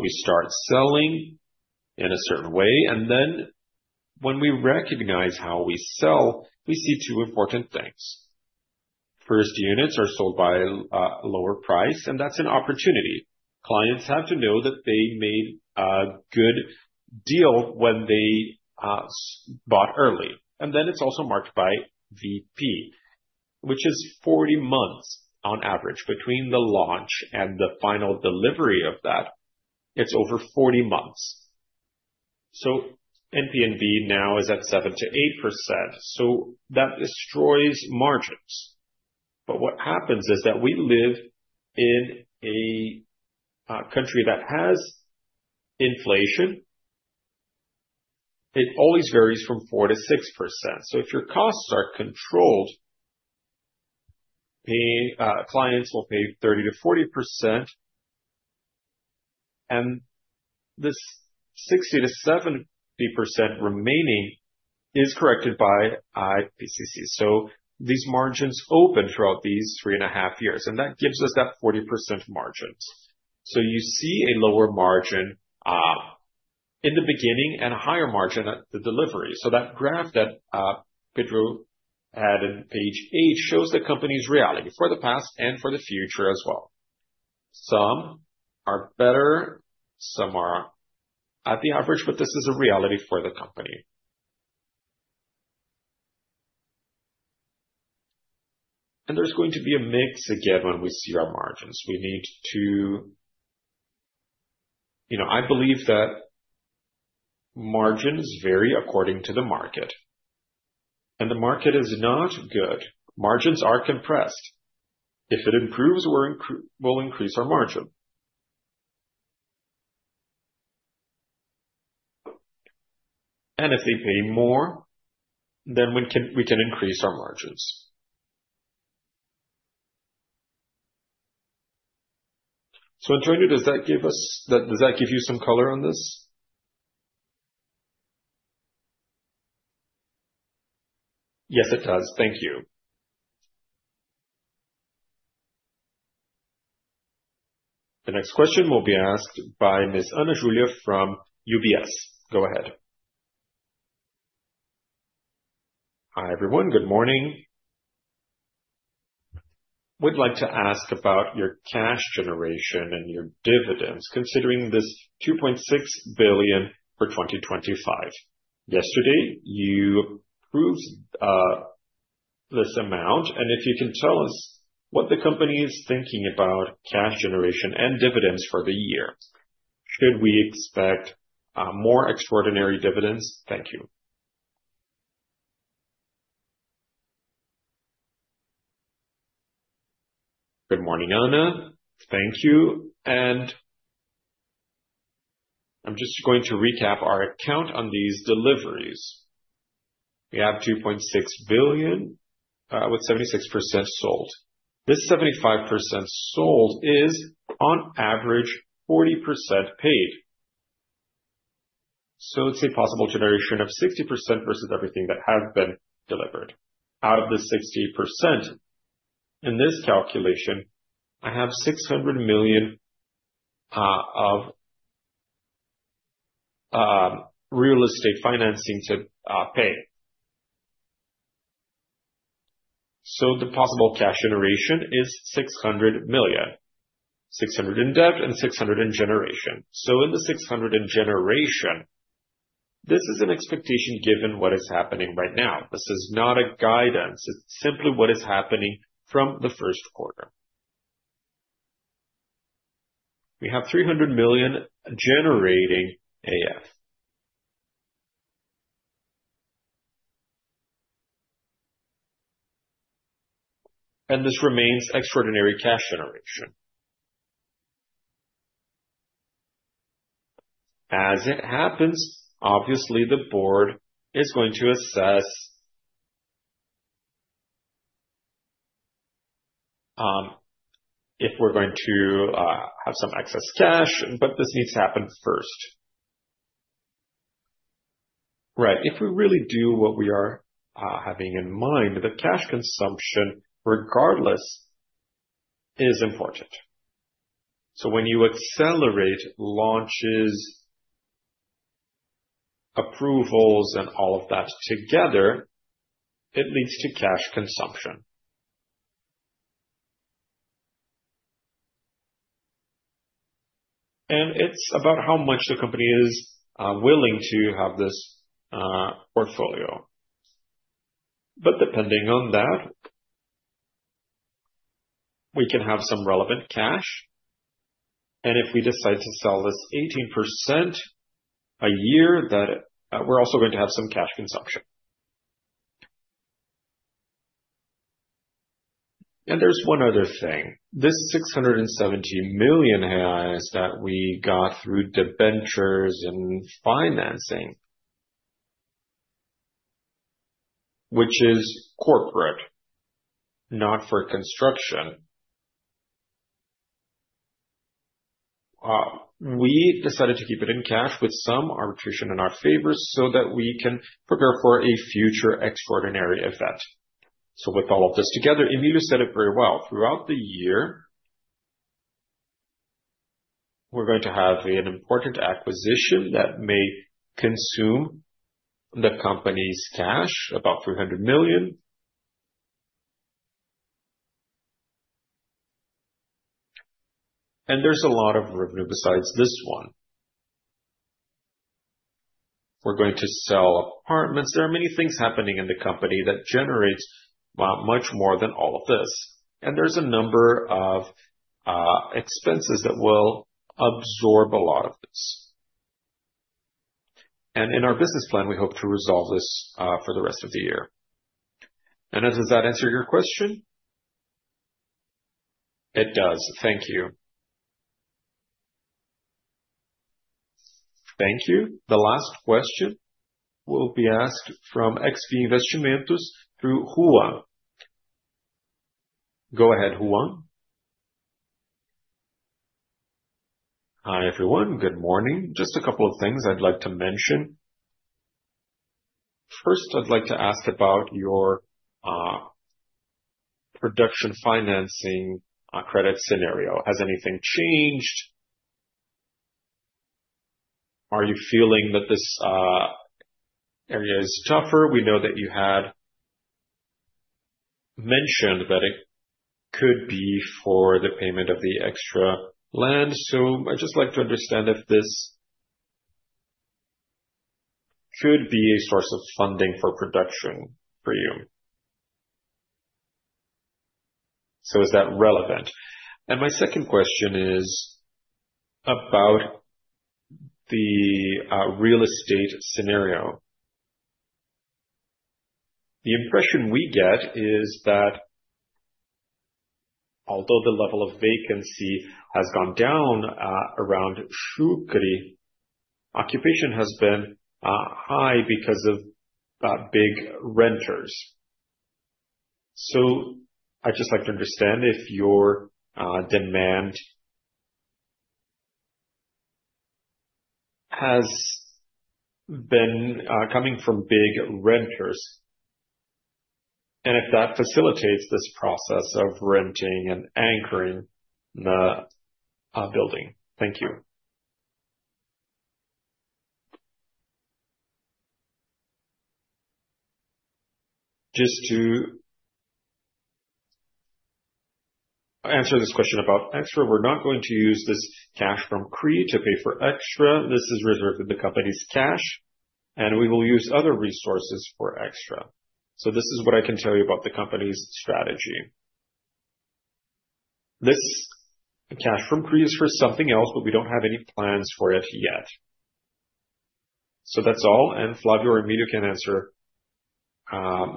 We start selling in a certain way. When we recognize how we sell, we see two important things. First, units are sold by a lower price, and that's an opportunity. Clients have to know that they made a good deal when they bought early. It is also marked by VP, which is 40 months on average between the launch and the final delivery of that. It is over 40 months. NPNV now is at 7%-8%. That destroys margins. What happens is that we live in a country that has inflation. It always varies from 4%-6%. If your costs are controlled, clients will pay 30%-40%, and this 60%-70% remaining is corrected by IPCC. These margins open throughout these three and a half years, and that gives us that 40% margins. You see a lower margin in the beginning and a higher margin at the delivery. That graph that Pedro had in page eight shows the company's reality for the past and for the future as well. Some are better. Some are at the average, but this is a reality for the company. There's going to be a mix again when we see our margins. I believe that margins vary according to the market. If the market is not good, margins are compressed. If it improves, we'll increase our margin. If they pay more, then we can increase our margins. Antonio, does that give you some color on this? Yes, it does. Thank you. The next question will be asked by Ms. Ana Júlia from UBS. Go ahead. Hi, everyone. Good morning. We'd like to ask about your cash generation and your dividends, considering this 2.6 billion for 2025. Yesterday, you approved this amount. If you can tell us what the company is thinking about cash generation and dividends for the year. Should we expect more extraordinary dividends? Thank you. Good morning, Ana. Thank you. I'm just going to recap our account on these deliveries. We have 2.6 billion with 76% sold. This 75% sold is on average 40% paid. It is a possible generation of 60% versus everything that has been delivered. Out of the 60%, in this calculation, I have 600 million of real estate financing to pay. The possible cash generation is 600 million, 600 million in debt, and 600 million in generation. In the 600 million in generation, this is an expectation given what is happening right now. This is not a guidance. It is simply what is happening from the first quarter. We have 300 million generating AF. This remains extraordinary cash generation. As it happens, obviously, the board is going to assess if we're going to have some excess cash, but this needs to happen first. Right. If we really do what we are having in mind, the cash consumption, regardless, is important. When you accelerate launches, approvals, and all of that together, it leads to cash consumption. It is about how much the company is willing to have this portfolio. Depending on that, we can have some relevant cash. If we decide to sell this 18% a year, we're also going to have some cash consumption. There is one other thing. This 670 million reais that we got through debentures and financing, which is corporate, not for construction, we decided to keep it in cash with some arbitration in our favor so that we can prepare for a future extraordinary event. With all of this together, Emilia said it very well. Throughout the year, we're going to have an important acquisition that may consume the company's cash, about 300 million. There's a lot of revenue besides this one. We're going to sell apartments. There are many things happening in the company that generate much more than all of this. There's a number of expenses that will absorb a lot of this. In our business plan, we hope to resolve this for the rest of the year. Does that answer your question? It does. Thank you. Thank you. The last question will be asked from XP Investimentos through Ruan. Go ahead, Ruan. Hi, everyone. Good morning. Just a couple of things I'd like to mention. First, I'd like to ask about your production financing credit scenario. Has anything changed? Are you feeling that this area is tougher? We know that you had mentioned that it could be for the payment of the extra land. I would just like to understand if this could be a source of funding for production for you. Is that relevant? My second question is about the real estate scenario. The impression we get is that although the level of vacancy has gone down around Chucre, occupation has been high because of big renters. I would just like to understand if your demand has been coming from big renters and if that facilitates this process of renting and anchoring the building. Thank you. Just to answer this question about extra, we are not going to use this cash from CRI to pay for extra. This is reserved for the company's cash, and we will use other resources for extra. This is what I can tell you about the company's strategy. This cash from CRI is for something else, but we do not have any plans for it yet. That is all. Flávio or Emilio can answer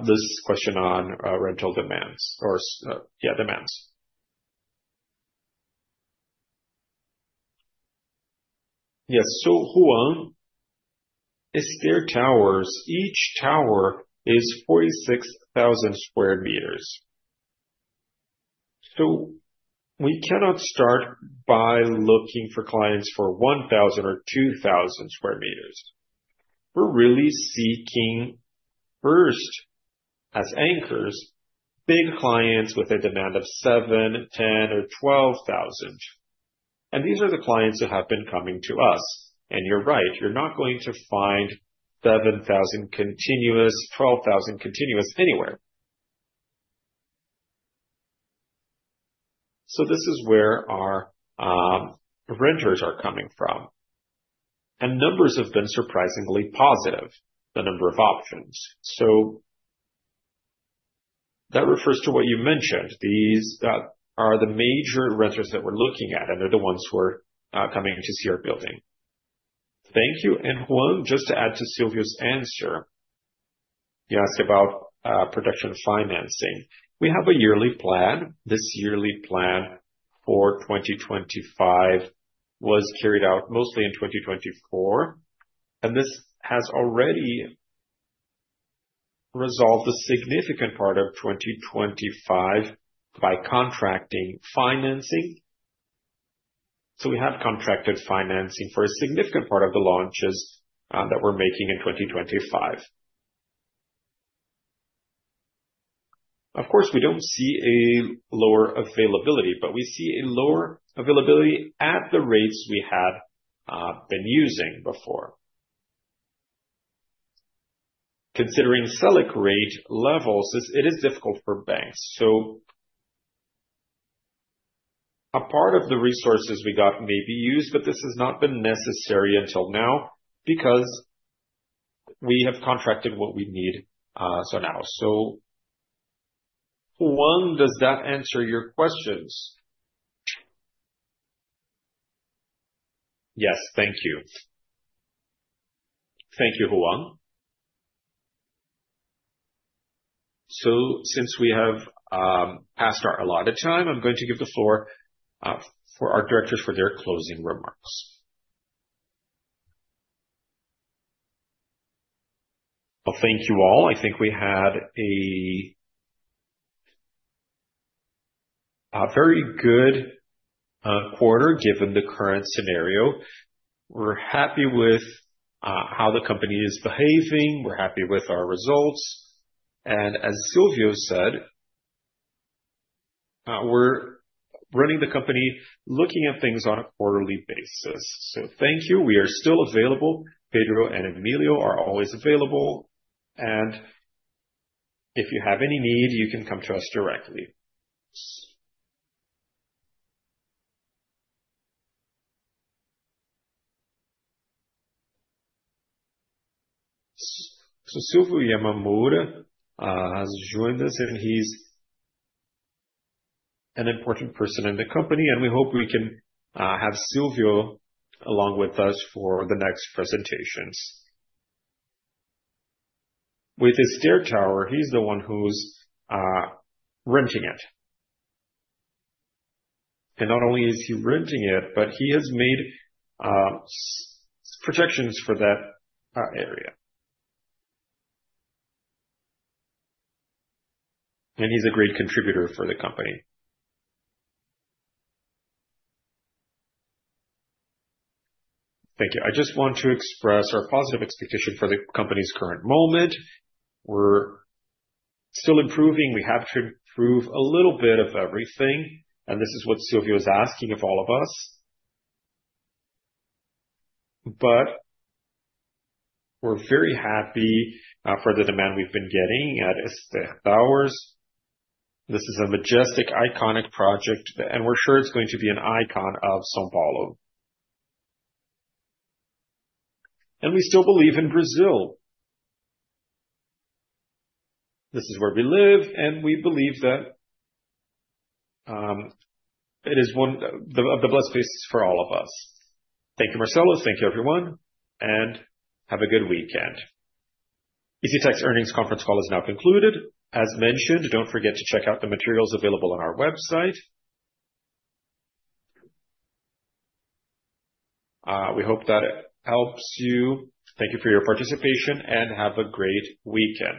this question on rental demands or, yeah, demands. Yes. Ruan, these are towers. Each tower is 46,000 sq m. We cannot start by looking for clients for 1,000 or 2,000 sq m. We are really seeking first, as anchors, big clients with a demand of 7,000, 10,000, or 12,000. These are the clients that have been coming to us. You are right. You are not going to find 7,000 continuous, 12,000 continuous anywhere. This is where our renters are coming from. Numbers have been surprisingly positive, the number of options. That refers to what you mentioned. These are the major renters that we are looking at, and they are the ones who are coming to see our building. Thank you. Juan, just to add to Silvia's answer, you asked about production financing. We have a yearly plan. This yearly plan for 2025 was carried out mostly in 2024. This has already resolved a significant part of 2025 by contracting financing. We have contracted financing for a significant part of the launches that we're making in 2025. Of course, we don't see a lower availability, but we see a lower availability at the rates we had been using before. Considering Select Rate levels, it is difficult for banks. A part of the resources we got may be used, but this has not been necessary until now because we have contracted what we need so now. Ruan, does that answer your questions? Yes. Thank you. Thank you, Ruan. Since we have passed our allotted time, I am going to give the floor to our directors for their closing remarks. Thank you all. I think we had a very good quarter given the current scenario. We are happy with how the company is behaving. We are happy with our results. As Silvio said, we are running the company looking at things on a quarterly basis. Thank you. We are still available. Pedro and Emilio are always available. If you have any need, you can come to us directly. Silvio Yamamura has joined us, and he is an important person in the company. We hope we can have Silvio along with us for the next presentations. With his stair tower, he is the one who is renting it. Not only is he renting it, but he has made projections for that area. He is a great contributor for the company. Thank you. I just want to express our positive expectation for the company's current moment. We are still improving. We have to improve a little bit of everything. This is what Silvio is asking of all of us. We are very happy for the demand we have been getting at Esther Towers. This is a majestic, iconic project. We are sure it is going to be an icon of São Paulo. We still believe in Brazil. This is where we live. We believe that it is one of the blessed places for all of us. Thank you, Marcelo. Thank you, everyone. Have a good weekend. EZTEC's Earnings Conference Call is now concluded. As mentioned, do not forget to check out the materials available on our website. We hope that helps you. Thank you for your participation, and have a great weekend.